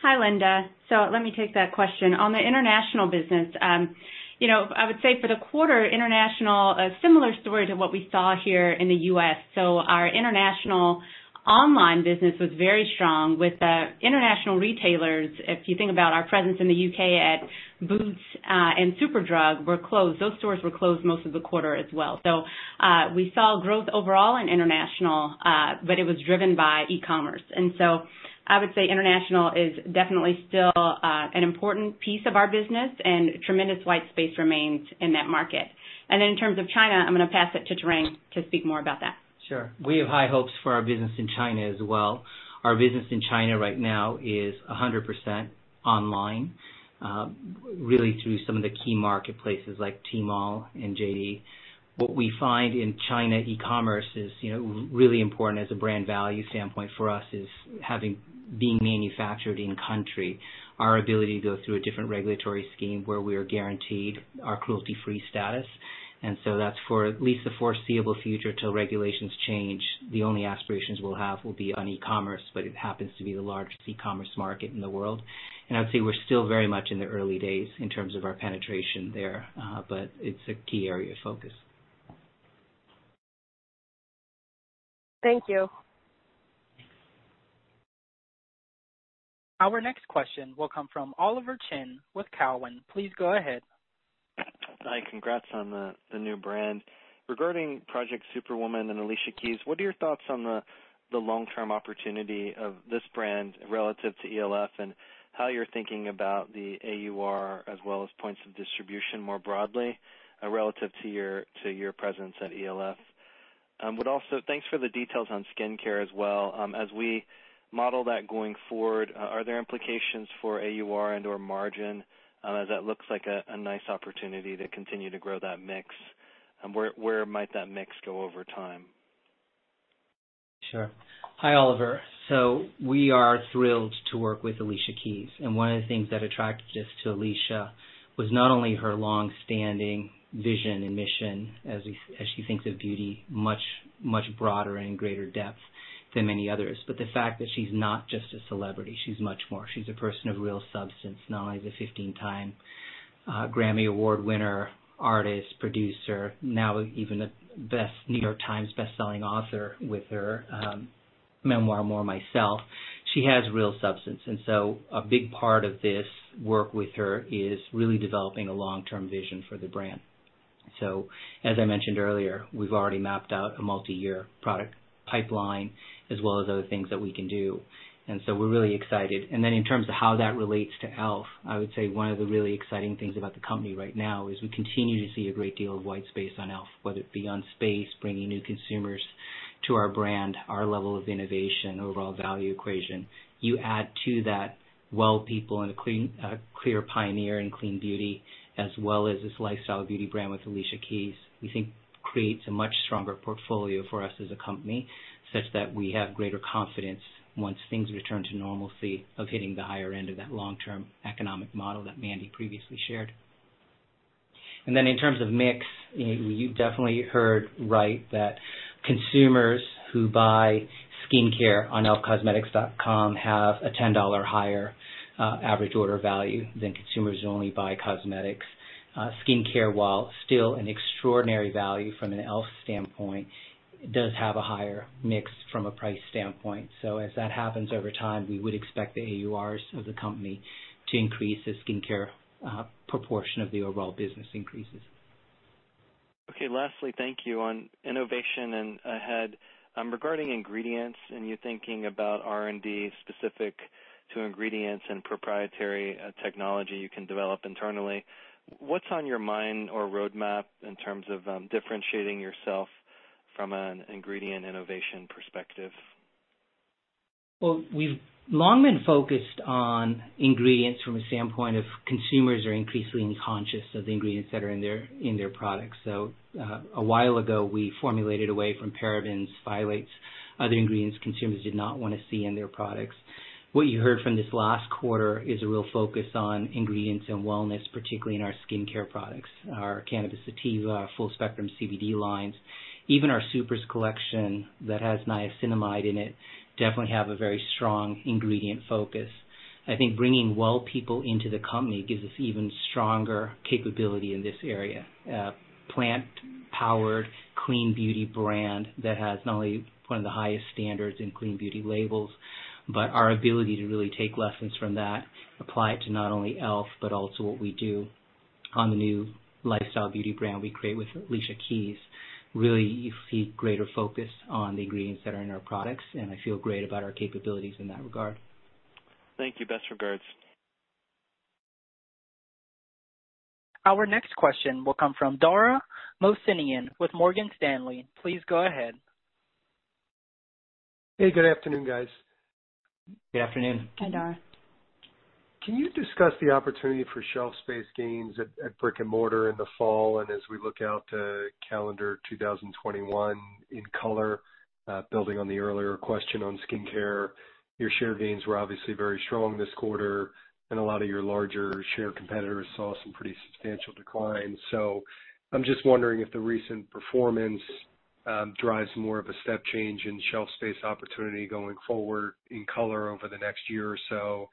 Hi, Linda. Let me take that question. On the international business, I would say for the quarter, international, a similar story to what we saw here in the U.S. Our international online business was very strong with the international retailers. If you think about our presence in the U.K. at Boots and Superdrug, were closed. Those stores were closed most of the quarter as well. We saw growth overall in international, but it was driven by e-commerce. I would say international is definitely still an important piece of our business and tremendous white space remains in that market. In terms of China, I'm going to pass it to Tarang to speak more about that. Sure. We have high hopes for our business in China as well. Our business in China right now is 100% online, really through some of the key marketplaces like Tmall and JD.com. What we find in China e-commerce is really important as a brand value standpoint for us is being manufactured in country. Our ability to go through a different regulatory scheme where we are guaranteed our cruelty-free status. That's for at least the foreseeable future till regulations change, the only aspirations we'll have will be on e-commerce, but it happens to be the largest e-commerce market in the world. I'd say we're still very much in the early days in terms of our penetration there, but it's a key area of focus. Thank you. Our next question will come from Oliver Chen with Cowen. Please go ahead. Hi. Congrats on the new brand. Regarding Project Superwoman and Alicia Keys, what are your thoughts on the long-term opportunity of this brand relative to e.l.f. and how you're thinking about the AUR as well as points of distribution more broadly, relative to your presence at e.l.f.? Also, thanks for the details on skincare as well. As we model that going forward, are there implications for AUR and/or margin? That looks like a nice opportunity to continue to grow that mix. Where might that mix go over time? Sure. Hi, Oliver. We are thrilled to work with Alicia Keys, and one of the things that attracted us to Alicia was not only her long-standing vision and mission as she thinks of beauty, much broader and greater depth than many others. The fact that she's not just a celebrity, she's much more. She's a person of real substance, not only is a 15-time Grammy Award winner, artist, producer, now even a New York Times bestselling author with her memoir, "More Myself." She has real substance, a big part of this work with her is really developing a long-term vision for the brand. As I mentioned earlier, we've already mapped out a multi-year product pipeline as well as other things that we can do, we're really excited. Then in terms of how that relates to e.l.f., I would say one of the really exciting things about the company right now is we continue to see a great deal of white space on e.l.f., whether it be on space, bringing new consumers to our brand, our level of innovation, overall value equation. You add to that Well People and Clear Pioneer and clean beauty, as well as this lifestyle beauty brand with Alicia Keys, we think creates a much stronger portfolio for us as a company, such that we have greater confidence once things return to normalcy of hitting the higher end of that long-term economic model that Mandy previously shared. Then in terms of mix, you definitely heard right, that consumers who buy skincare on elfcosmetics.com have a $10 higher average order value than consumers who only buy cosmetics. Skincare, while still an extraordinary value from an e.l.f. standpoint, does have a higher mix from a price standpoint. As that happens over time, we would expect the AURs of the company to increase as skincare proportion of the overall business increases. Okay. Lastly, thank you. On innovation and ahead, regarding ingredients and you thinking about R&D specific to ingredients and proprietary technology you can develop internally, what's on your mind or roadmap in terms of differentiating yourself from an ingredient innovation perspective? Well, we've long been focused on ingredients from a standpoint of consumers are increasingly conscious of the ingredients that are in their products. So, a while ago, we formulated away from parabens, phthalates, other ingredients consumers did not want to see in their products. What you heard from this last quarter is a real focus on ingredients and wellness, particularly in our skincare products, our Cannabis Sativa, our full spectrum CBD lines, even our Supers collection that has niacinamide in it, definitely have a very strong ingredient focus. I think bringing Well People into the company gives us even stronger capability in this area. A plant-powered, clean beauty brand that has not only one of the highest standards in clean beauty labels, but our ability to really take lessons from that, apply it to not only e.l.f., but also what we do on the new lifestyle beauty brand we create with Alicia Keys. Really, you see greater focus on the ingredients that are in our products, and I feel great about our capabilities in that regard. Thank you. Best regards. Our next question will come from Dara Mohsenian with Morgan Stanley. Please go ahead. Hey, good afternoon, guys. Good afternoon. Hi, Dara. Can you discuss the opportunity for shelf space gains at brick and mortar in the fall and as we look out to calendar 2021 in color? Building on the earlier question on skincare, your share gains were obviously very strong this quarter, and a lot of your larger share competitors saw some pretty substantial declines. I'm just wondering if the recent performance drives more of a step change in shelf space opportunity going forward in color over the next year or so.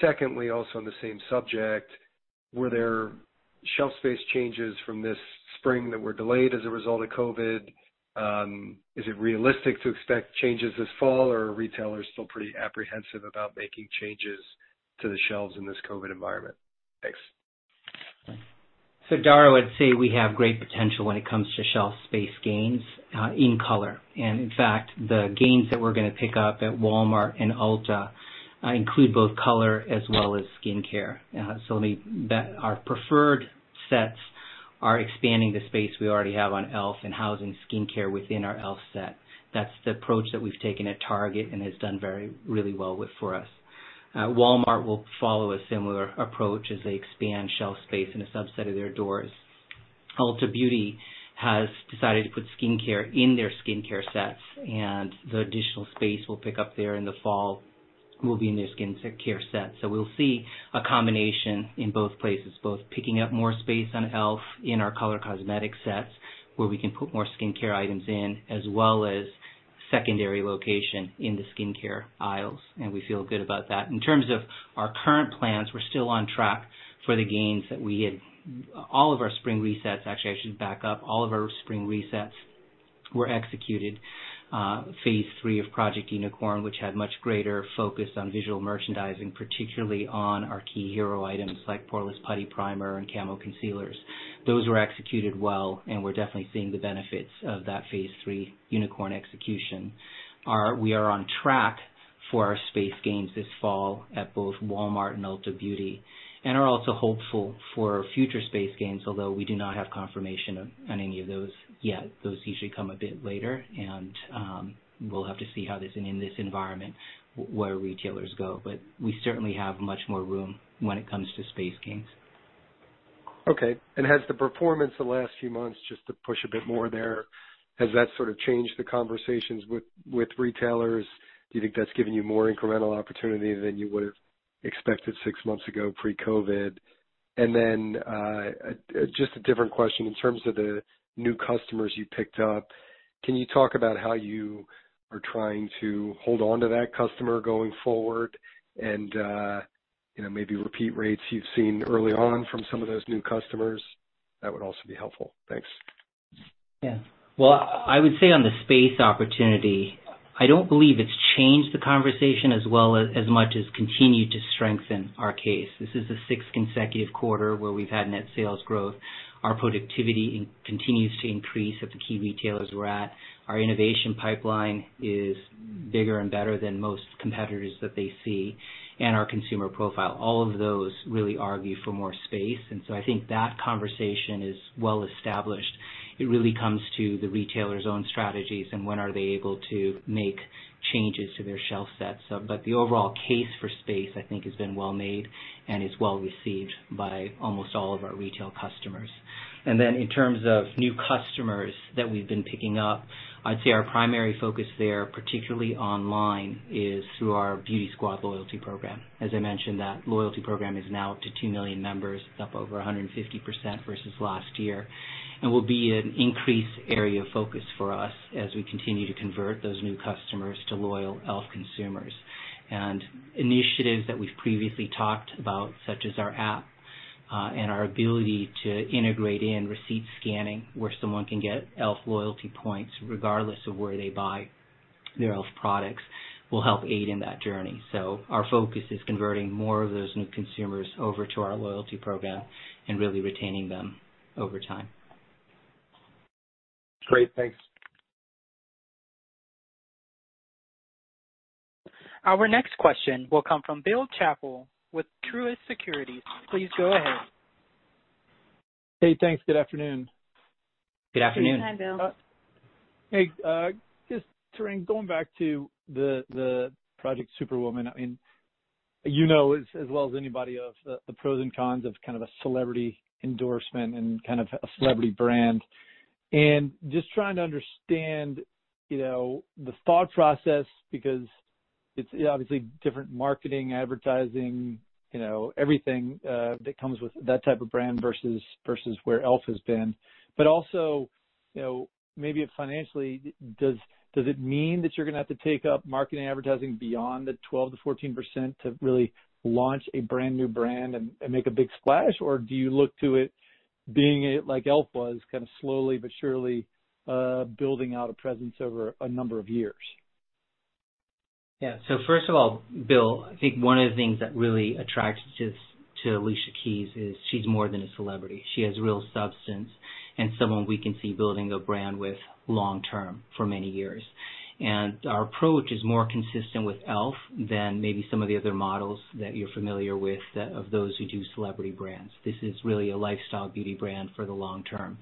Secondly, also on the same subject, were there shelf space changes from this spring that were delayed as a result of COVID? Is it realistic to expect changes this fall, or are retailers still pretty apprehensive about making changes to the shelves in this COVID environment? Thanks. Dara, I'd say we have great potential when it comes to shelf space gains in color. In fact, the gains that we're going to pick up at Walmart and Ulta include both color as well as skincare. Our preferred sets are expanding the space we already have on e.l.f. and housing skincare within our e.l.f. set. That's the approach that we've taken at Target and has done really well for us. Walmart will follow a similar approach as they expand shelf space in a subset of their doors. Ulta Beauty has decided to put skincare in their skincare sets, and the additional space we'll pick up there in the fall will be in their skincare set. We'll see a combination in both places, both picking up more space on e.l.f. In our color cosmetic sets, where we can put more skincare items in, as well as secondary location in the skincare aisles, we feel good about that. In terms of our current plans, we're still on track for the gains that we had. All of our spring resets, actually, I should back up. All of our spring resets were executed. Phase 3 of Project Unicorn, which had much greater focus on visual merchandising, particularly on our key hero items like Poreless Putty Primer and Camo Concealers. Those were executed well, and we're definitely seeing the benefits of that Phase 3 Unicorn execution. We are on track for our space gains this fall at both Walmart and Ulta Beauty, and are also hopeful for future space gains, although we do not have confirmation on any of those yet. Those usually come a bit later, and we'll have to see how this, in this environment, where retailers go. We certainly have much more room when it comes to space gains. Okay. Has the performance the last few months, just to push a bit more there, has that sort of changed the conversations with retailers? Do you think that's given you more incremental opportunity than you would've expected six months ago, pre-COVID? Just a different question. In terms of the new customers you picked up, can you talk about how you are trying to hold on to that customer going forward and maybe repeat rates you've seen early on from some of those new customers? That would also be helpful. Thanks. Yeah. Well, I would say on the space opportunity, I don't believe it's changed the conversation as well as much as continued to strengthen our case. This is the sixth consecutive quarter where we've had net sales growth. Our productivity continues to increase at the key retailers we're at, our innovation pipeline is bigger and better than most competitors that they see, and our consumer profile. All of those really argue for more space, I think that conversation is well established. It really comes to the retailer's own strategies and when are they able to make changes to their shelf sets. The overall case for space, I think, has been well made and is well received by almost all of our retail customers. In terms of new customers that we've been picking up, I'd say our primary focus there, particularly online, is through our Beauty Squad loyalty program. As I mentioned, that loyalty program is now up to 2 million members, up over 150% versus last year, and will be an increased area of focus for us as we continue to convert those new customers to loyal e.l.f. consumers. Initiatives that we've previously talked about, such as our app, and our ability to integrate in receipt scanning, where someone can get e.l.f. loyalty points regardless of where they buy their e.l.f. products, will help aid in that journey. Our focus is converting more of those new consumers over to our loyalty program and really retaining them over time. Great. Thanks. Our next question will come from Bill Chappell with Truist Securities. Please go ahead. Hey, thanks. Good afternoon. Good afternoon. Good afternoon, Bill. Hey, just Tarang, going back to the Project Superwoman. You know as well as anybody of the pros and cons of kind of a celebrity endorsement and kind of a celebrity brand, and just trying to understand the thought process, because it's obviously different marketing, advertising, everything that comes with that type of brand versus where e.l.f. has been. Also, maybe financially, does it mean that you're going to have to take up marketing, advertising beyond the 12%-14% to really launch a brand new brand and make a big splash? Or do you look to it being like e.l.f. was kind of slowly but surely building out a presence over a number of years? Yeah. First of all, Bill, I think one of the things that really attracts us to Alicia Keys is she's more than a celebrity. She has real substance and someone we can see building a brand with long-term for many years. Our approach is more consistent with e.l.f. than maybe some of the other models that you're familiar with, of those who do celebrity brands. This is really a lifestyle beauty brand for the long term.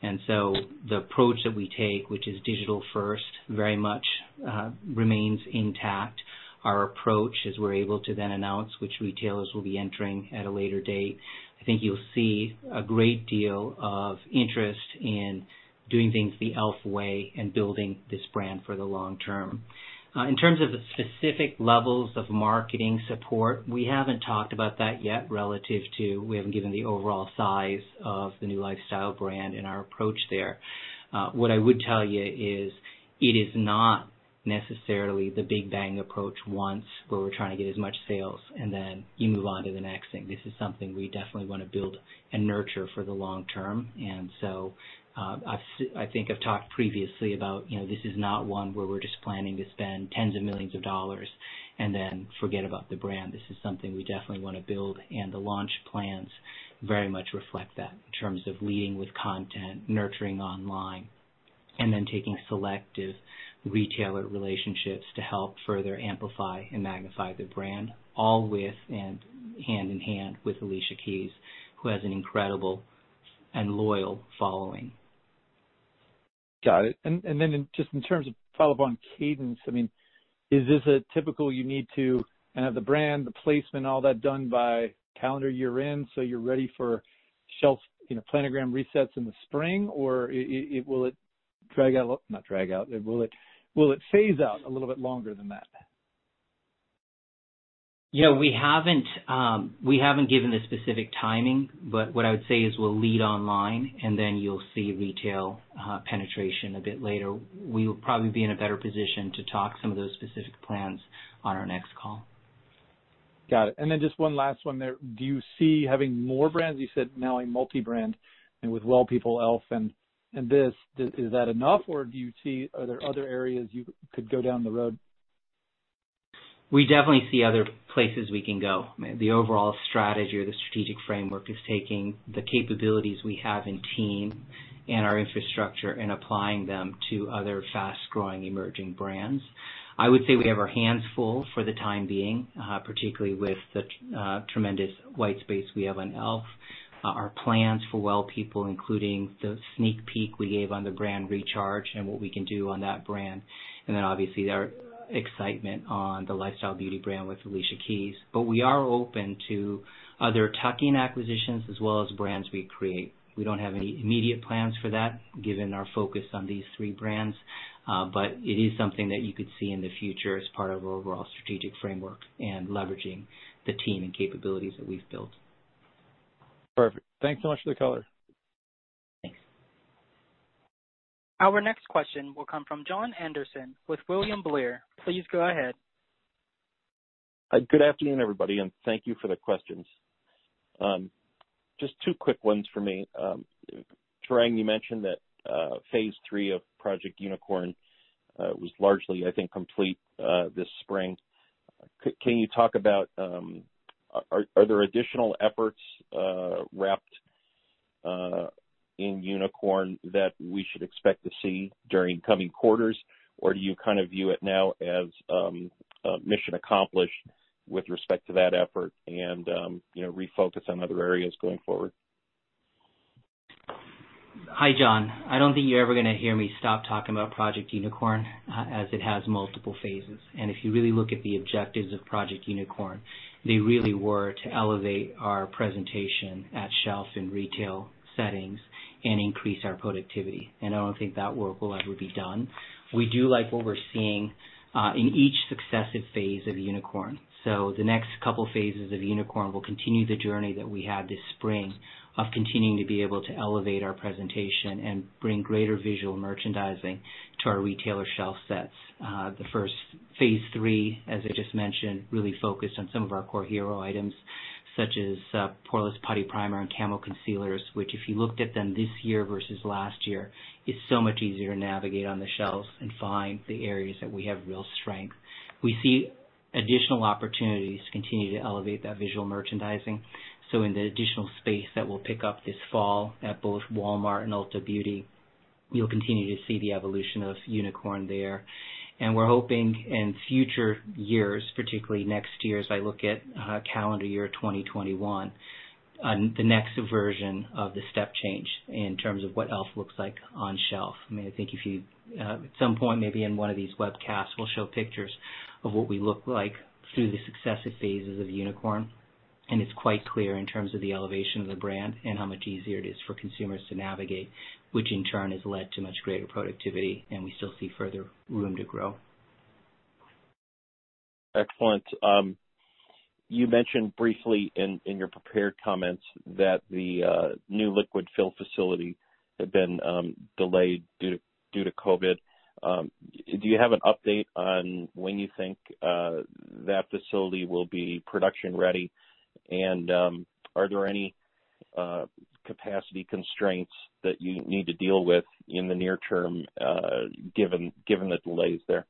The approach that we take, which is digital first, very much remains intact. Our approach, as we're able to then announce which retailers we'll be entering at a later date, I think you'll see a great deal of interest in doing things the e.l.f. way and building this brand for the long term. In terms of the specific levels of marketing support, we haven't talked about that yet relative to, we haven't given the overall size of the new lifestyle brand and our approach there. What I would tell you is it is not necessarily the big bang approach once, where we're trying to get as much sales and then you move on to the next thing. This is something we definitely want to build and nurture for the long term. I think I've talked previously about, this is not one where we're just planning to spend tens of millions of dollars and then forget about the brand. This is something we definitely want to build, and the launch plans very much reflect that in terms of leading with content, nurturing online, and then taking selective retailer relationships to help further amplify and magnify the brand, all with and hand in hand with Alicia Keys, who has an incredible and loyal following. Got it. Just in terms of follow-up on cadence, is this a typical you need to have the brand, the placement, all that done by calendar year end, so you're ready for shelf planogram resets in the spring, or will it phase out a little bit longer than that? Yeah. We haven't given the specific timing, but what I would say is we'll lead online and then you'll see retail penetration a bit later. We will probably be in a better position to talk some of those specific plans on our next call. Got it. Just one last one there. Do you see having more brands? You said now a multi-brand and with Well People, e.l.f. and this, is that enough? Are there other areas you could go down the road? We definitely see other places we can go. The overall strategy or the strategic framework is taking the capabilities we have in team and our infrastructure and applying them to other fast-growing emerging brands. I would say we have our hands full for the time being, particularly with the tremendous white space we have on e.l.f., our plans for Well People, including the sneak peek we gave on the brand Recharge and what we can do on that brand. Obviously our excitement on the lifestyle beauty brand with Alicia Keys. We are open to other tuck-in acquisitions as well as brands we create. We don't have any immediate plans for that given our focus on these three brands, but it is something that you could see in the future as part of our overall strategic framework and leveraging the team and capabilities that we've built. Perfect. Thanks so much for the color. Thanks. Our next question will come from Jon Andersen with William Blair. Please go ahead. Good afternoon, everybody. Thank you for the questions. Just two quick ones for me. Tarang, you mentioned that phase three of Project Unicorn was largely, I think, complete this spring. Are there additional efforts wrapped in Unicorn that we should expect to see during coming quarters? Do you kind of view it now as mission accomplished with respect to that effort and refocus on other areas going forward? Hi, Jon. I don't think you're ever going to hear me stop talking about Project Unicorn, as it has multiple phases. If you really look at the objectives of Project Unicorn, they really were to elevate our presentation at shelf in retail settings and increase our productivity. I don't think that work will ever be done. We do like what we're seeing in each successive phase of Unicorn. The next couple phases of Unicorn will continue the journey that we had this spring of continuing to be able to elevate our presentation and bring greater visual merchandising to our retailer shelf sets. The first phase 3, as I just mentioned, really focused on some of our core hero items, such as Poreless Putty Primer and Camo Concealer, which if you looked at them this year versus last year, it is so much easier to navigate on the shelves and find the areas that we have real strength. We see additional opportunities to continue to elevate that visual merchandising. In the additional space that we will pick up this fall at both Walmart and Ulta Beauty, you will continue to see the evolution of Unicorn there. We are hoping in future years, particularly next year as I look at calendar year 2021, the next version of the step change in terms of what e.l.f. looks like on shelf. I think if you, at some point, maybe in one of these webcasts, we'll show pictures of what we look like through the successive phases of Unicorn, and it's quite clear in terms of the elevation of the brand and how much easier it is for consumers to navigate, which in turn has led to much greater productivity, and we still see further room to grow. Excellent. You mentioned briefly in your prepared comments that the new liquid fill facility had been delayed due to COVID. Do you have an update on when you think that facility will be production ready, and are there any capacity constraints that you need to deal with in the near term given the delays there?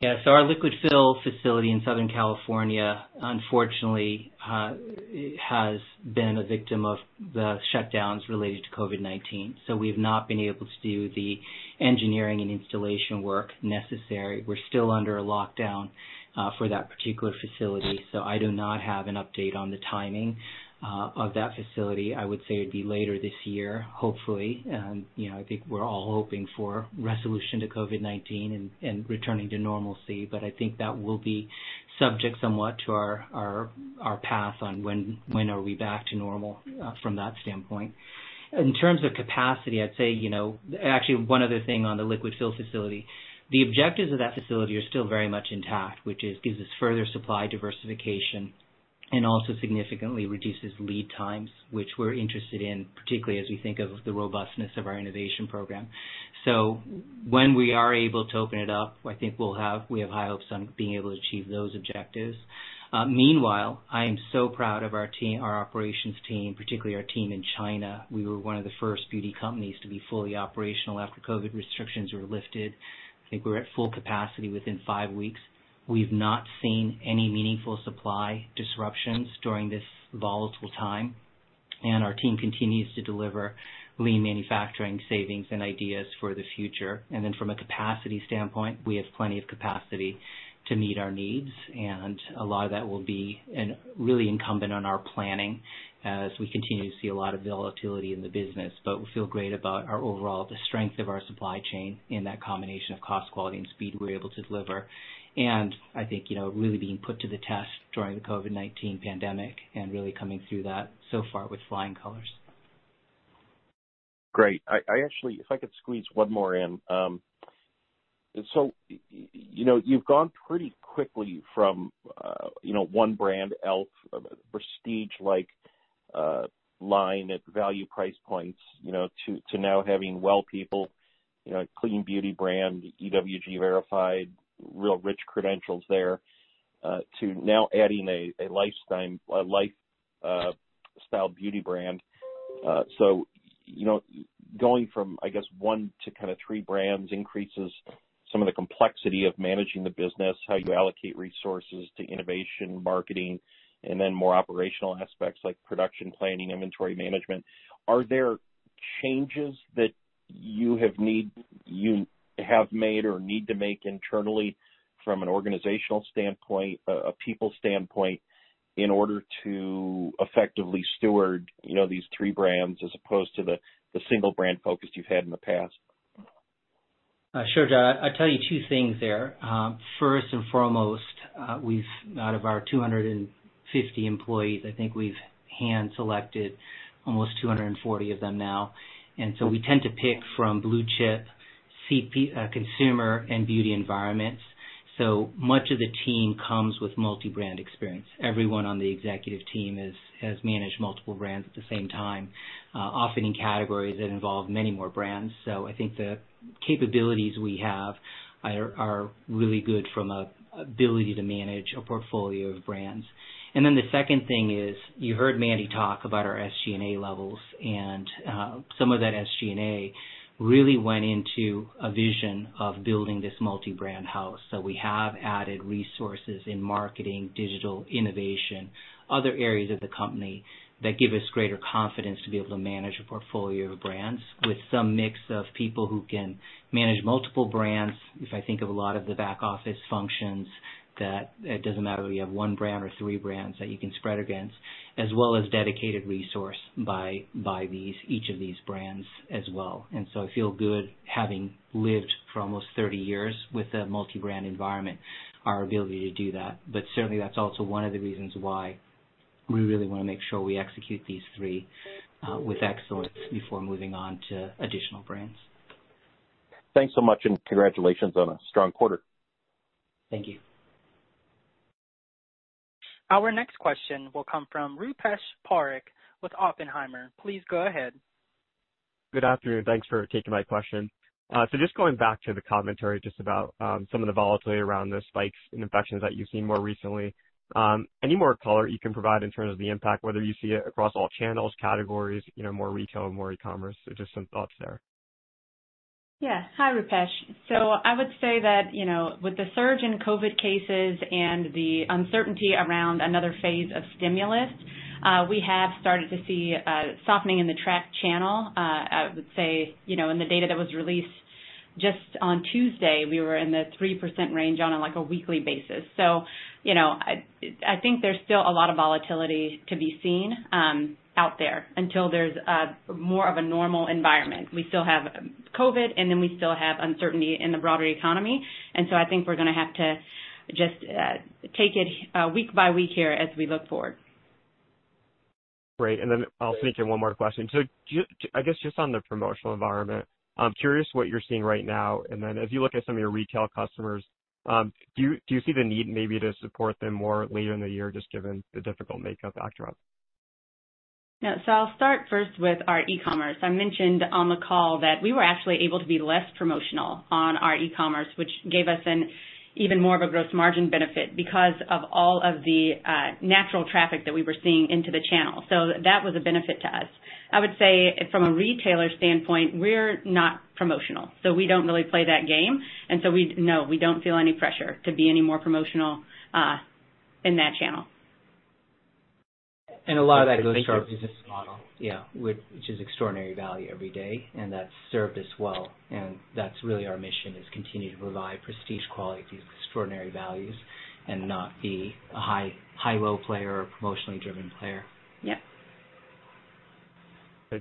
Yes. Our liquid fill facility in Southern California, unfortunately, has been a victim of the shutdowns related to COVID-19. We've not been able to do the engineering and installation work necessary. We're still under a lockdown for that particular facility, so I do not have an update on the timing of that facility. I would say it'd be later this year, hopefully. I think we're all hoping for resolution to COVID-19 and returning to normalcy. I think that will be subject somewhat to our path on when are we back to normal from that standpoint. In terms of capacity, I'd say, actually, one other thing on the liquid fill facility, the objectives of that facility are still very much intact, which gives us further supply diversification and also significantly reduces lead times, which we're interested in, particularly as we think of the robustness of our innovation program. When we are able to open it up, I think we have high hopes on being able to achieve those objectives. Meanwhile, I am so proud of our team, our operations team, particularly our team in China. We were one of the first beauty companies to be fully operational after COVID restrictions were lifted. I think we were at full capacity within five weeks. We've not seen any meaningful supply disruptions during this volatile time, and our team continues to deliver lean manufacturing savings and ideas for the future. From a capacity standpoint, we have plenty of capacity to meet our needs, and a lot of that will be really incumbent on our planning as we continue to see a lot of volatility in the business. We feel great about our overall, the strength of our supply chain in that combination of cost, quality, and speed we're able to deliver. I think really being put to the test during the COVID-19 pandemic and really coming through that so far with flying colors. Great. I actually, if I could squeeze one more in. You've gone pretty quickly from one brand, e.l.f., prestige like line at value price points, to now having Well People, a clean beauty brand, EWG verified, real rich credentials there, to now adding a lifestyle beauty brand. Going from, I guess, one to kind of three brands increases some of the complexity of managing the business, how you allocate resources to innovation, marketing, and then more operational aspects like production planning, inventory management. Are there changes that you have made or need to make internally from an organizational standpoint, a people standpoint, in order to effectively steward these three brands as opposed to the single brand focus you've had in the past? Sure, Jon. I'll tell you two things there. First and foremost, out of our 250 employees, I think we've hand selected almost 240 of them now. We tend to pick from blue chip consumer and beauty environments. Much of the team comes with multi-brand experience. Everyone on the executive team has managed multiple brands at the same time, often in categories that involve many more brands. The second thing is, you heard Mandy talk about our SG&A levels, and some of that SG&A really went into a vision of building this multi-brand house. We have added resources in marketing, digital innovation, other areas of the company that give us greater confidence to be able to manage a portfolio of brands with some mix of people who can manage multiple brands, if I think of a lot of the back office functions. That it doesn't matter whether you have one brand or three brands that you can spread against, as well as dedicated resource by each of these brands as well. I feel good having lived for almost 30 years with a multi-brand environment, our ability to do that. Certainly, that's also one of the reasons why we really want to make sure we execute these three with excellence before moving on to additional brands. Thanks so much. Congratulations on a strong quarter. Thank you. Our next question will come from Rupesh Parikh with Oppenheimer. Please go ahead. Good afternoon. Thanks for taking my question. Just going back to the commentary just about some of the volatility around the spikes in infections that you've seen more recently, any more color you can provide in terms of the impact, whether you see it across all channels, categories, more retail, more e-commerce, or just some thoughts there? Yeah. Hi, Rupesh. I would say that, with the surge in COVID cases and the uncertainty around another phase of stimulus, we have started to see a softening in the track channel. I would say, in the data that was released just on Tuesday, we were in the 3% range on a weekly basis. I think there's still a lot of volatility to be seen out there until there's more of a normal environment. We still have COVID, we still have uncertainty in the broader economy. I think we're going to have to just take it week by week here as we look forward. Great. I'll sneak in one more question. I guess just on the promotional environment, I'm curious what you're seeing right now. As you look at some of your retail customers, do you see the need maybe to support them more later in the year, just given the difficult makeup backdrop? Yeah. I'll start first with our e-commerce. I mentioned on the call that we were actually able to be less promotional on our e-commerce, which gave us even more of a gross margin benefit because of all of the natural traffic that we were seeing into the channel. That was a benefit to us. I would say from a retailer standpoint, we're not promotional. We don't really play that game, no, we don't feel any pressure to be any more promotional in that channel. A lot of that goes to our business model, yeah, which is extraordinary value every day, and that's served us well. That's really our mission, is continue to provide prestige quality with extraordinary values and not be a high low player or promotionally driven player. Yep.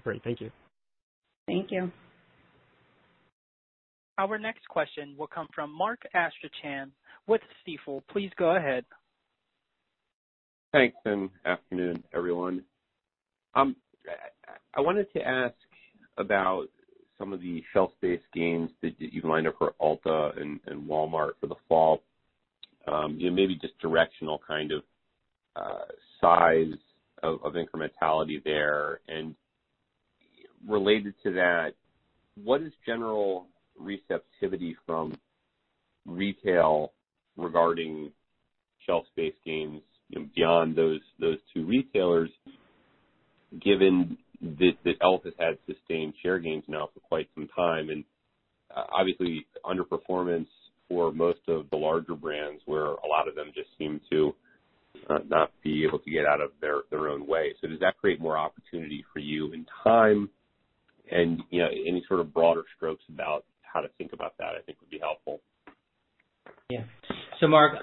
Great. Thank you. Thank you. Our next question will come from Mark Astrachan with Stifel. Please go ahead. Thanks, and afternoon, everyone. I wanted to ask about some of the shelf space gains that you've lined up for Ulta and Walmart for the fall. Maybe just directional kind of size of incrementality there. Related to that, what is general receptivity from retail regarding shelf space gains beyond those two retailers, given that e.l.f. has had sustained share gains now for quite some time, and obviously underperformance for most of the larger brands, where a lot of them just seem to not be able to get out of their own way. Does that create more opportunity for you in time? Any sort of broader strokes about how to think about that, I think, would be helpful. Yeah. Mark,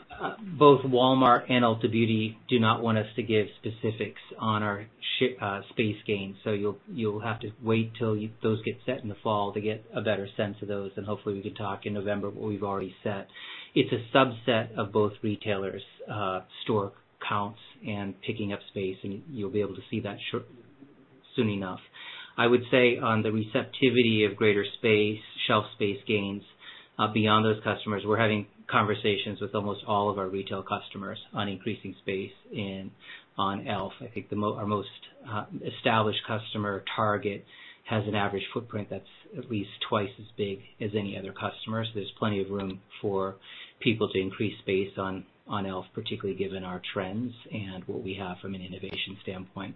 both Walmart and Ulta Beauty do not want us to give specifics on our space gains. You'll have to wait till those get set in the fall to get a better sense of those, and hopefully we can talk in November what we've already set. It's a subset of both retailers' store counts and picking up space, and you'll be able to see that soon enough. I would say on the receptivity of greater shelf space gains, beyond those customers, we're having conversations with almost all of our retail customers on increasing space on e.l.f. I think our most established customer, Target, has an average footprint that's at least twice as big as any other customer. There's plenty of room for people to increase space on e.l.f., particularly given our trends and what we have from an innovation standpoint.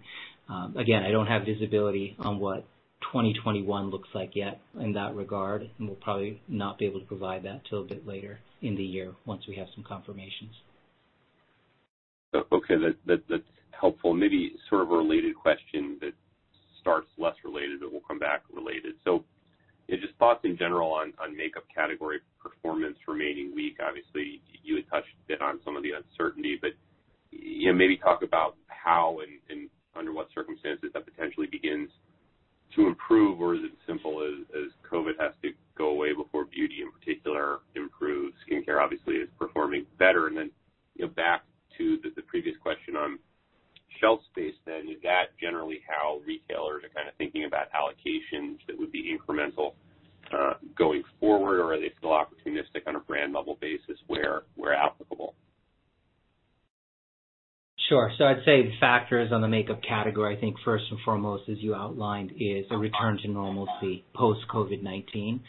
I don't have visibility on what 2021 looks like yet in that regard. We'll probably not be able to provide that till a bit later in the year once we have some confirmations. Okay. That's helpful. Maybe sort of a related question that starts less related, but we'll come back related. Yeah, just thoughts in general on makeup category performance remaining weak. Obviously, you had touched a bit on some of the uncertainty, but maybe talk about how and under what circumstances that potentially begins to improve, or is it simple as COVID has to go away before beauty in particular improves? Skincare obviously is performing better. Back to the previous question on shelf space, then is that generally how retailers are kind of thinking about allocations that would be incremental going forward, or are they still opportunistic on a brand level basis where applicable? Sure. I'd say the factors on the makeup category, I think first and foremost, as you outlined, is a return to normalcy post COVID-19.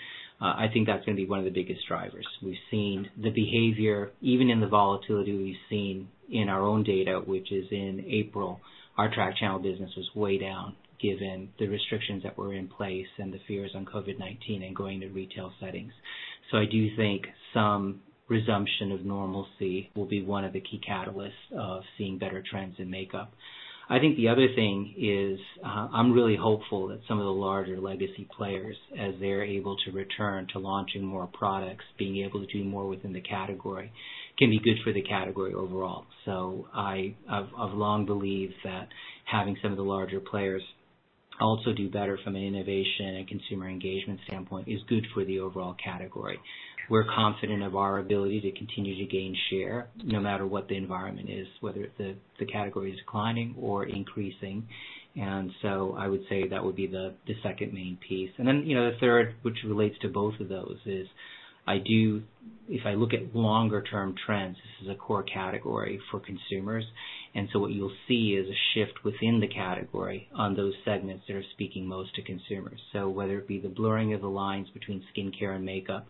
I think that's going to be one of the biggest drivers. We've seen the behavior, even in the volatility we've seen in our own data, which is in April, our track channel business was way down given the restrictions that were in place and the fears on COVID-19 and going to retail settings. I do think some resumption of normalcy will be one of the key catalysts of seeing better trends in makeup. I think the other thing is, I'm really hopeful that some of the larger legacy players, as they're able to return to launching more products, being able to do more within the category, can be good for the category overall. I've long believed that having some of the larger players also do better from an innovation and consumer engagement standpoint is good for the overall category. We're confident of our ability to continue to gain share no matter what the environment is, whether the category is declining or increasing. I would say that would be the second main piece. The third, which relates to both of those, is if I look at longer-term trends, this is a core category for consumers. What you'll see is a shift within the category on those segments that are speaking most to consumers. Whether it be the blurring of the lines between skincare and makeup,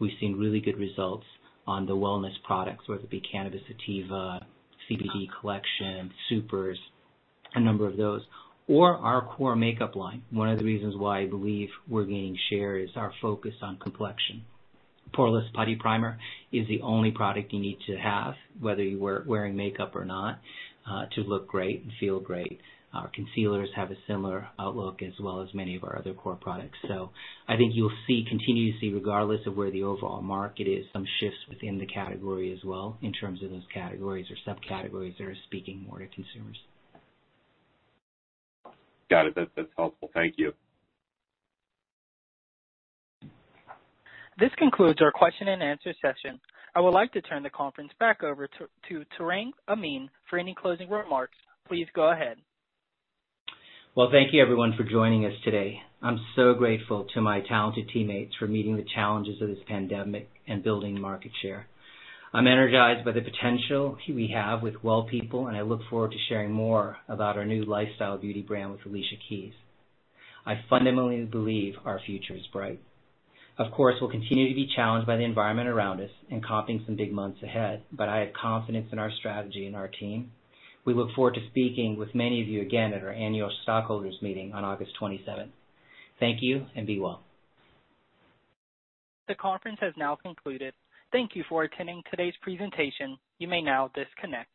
we've seen really good results on the wellness products, whether it be Cannabis Sativa, CBD collection, The Supers, a number of those, or our core makeup line. One of the reasons why I believe we're gaining share is our focus on complexion. Poreless Putty Primer is the only product you need to have, whether you're wearing makeup or not, to look great and feel great. Our concealers have a similar outlook, as well as many of our other core products. I think you'll continue to see, regardless of where the overall market is, some shifts within the category as well, in terms of those categories or subcategories that are speaking more to consumers. Got it. That's helpful. Thank you. This concludes our question and answer session. I would like to turn the conference back over to Tarang Amin for any closing remarks. Please go ahead. Well, thank you everyone for joining us today. I'm so grateful to my talented teammates for meeting the challenges of this pandemic and building market share. I'm energized by the potential we have with Well People, and I look forward to sharing more about our new lifestyle beauty brand with Alicia Keys. I fundamentally believe our future is bright. Of course, we'll continue to be challenged by the environment around us and comping some big months ahead, but I have confidence in our strategy and our team. We look forward to speaking with many of you again at our annual stockholders meeting on August 27th. Thank you, and be well. The conference has now concluded. Thank you for attending today's presentation. You may now disconnect.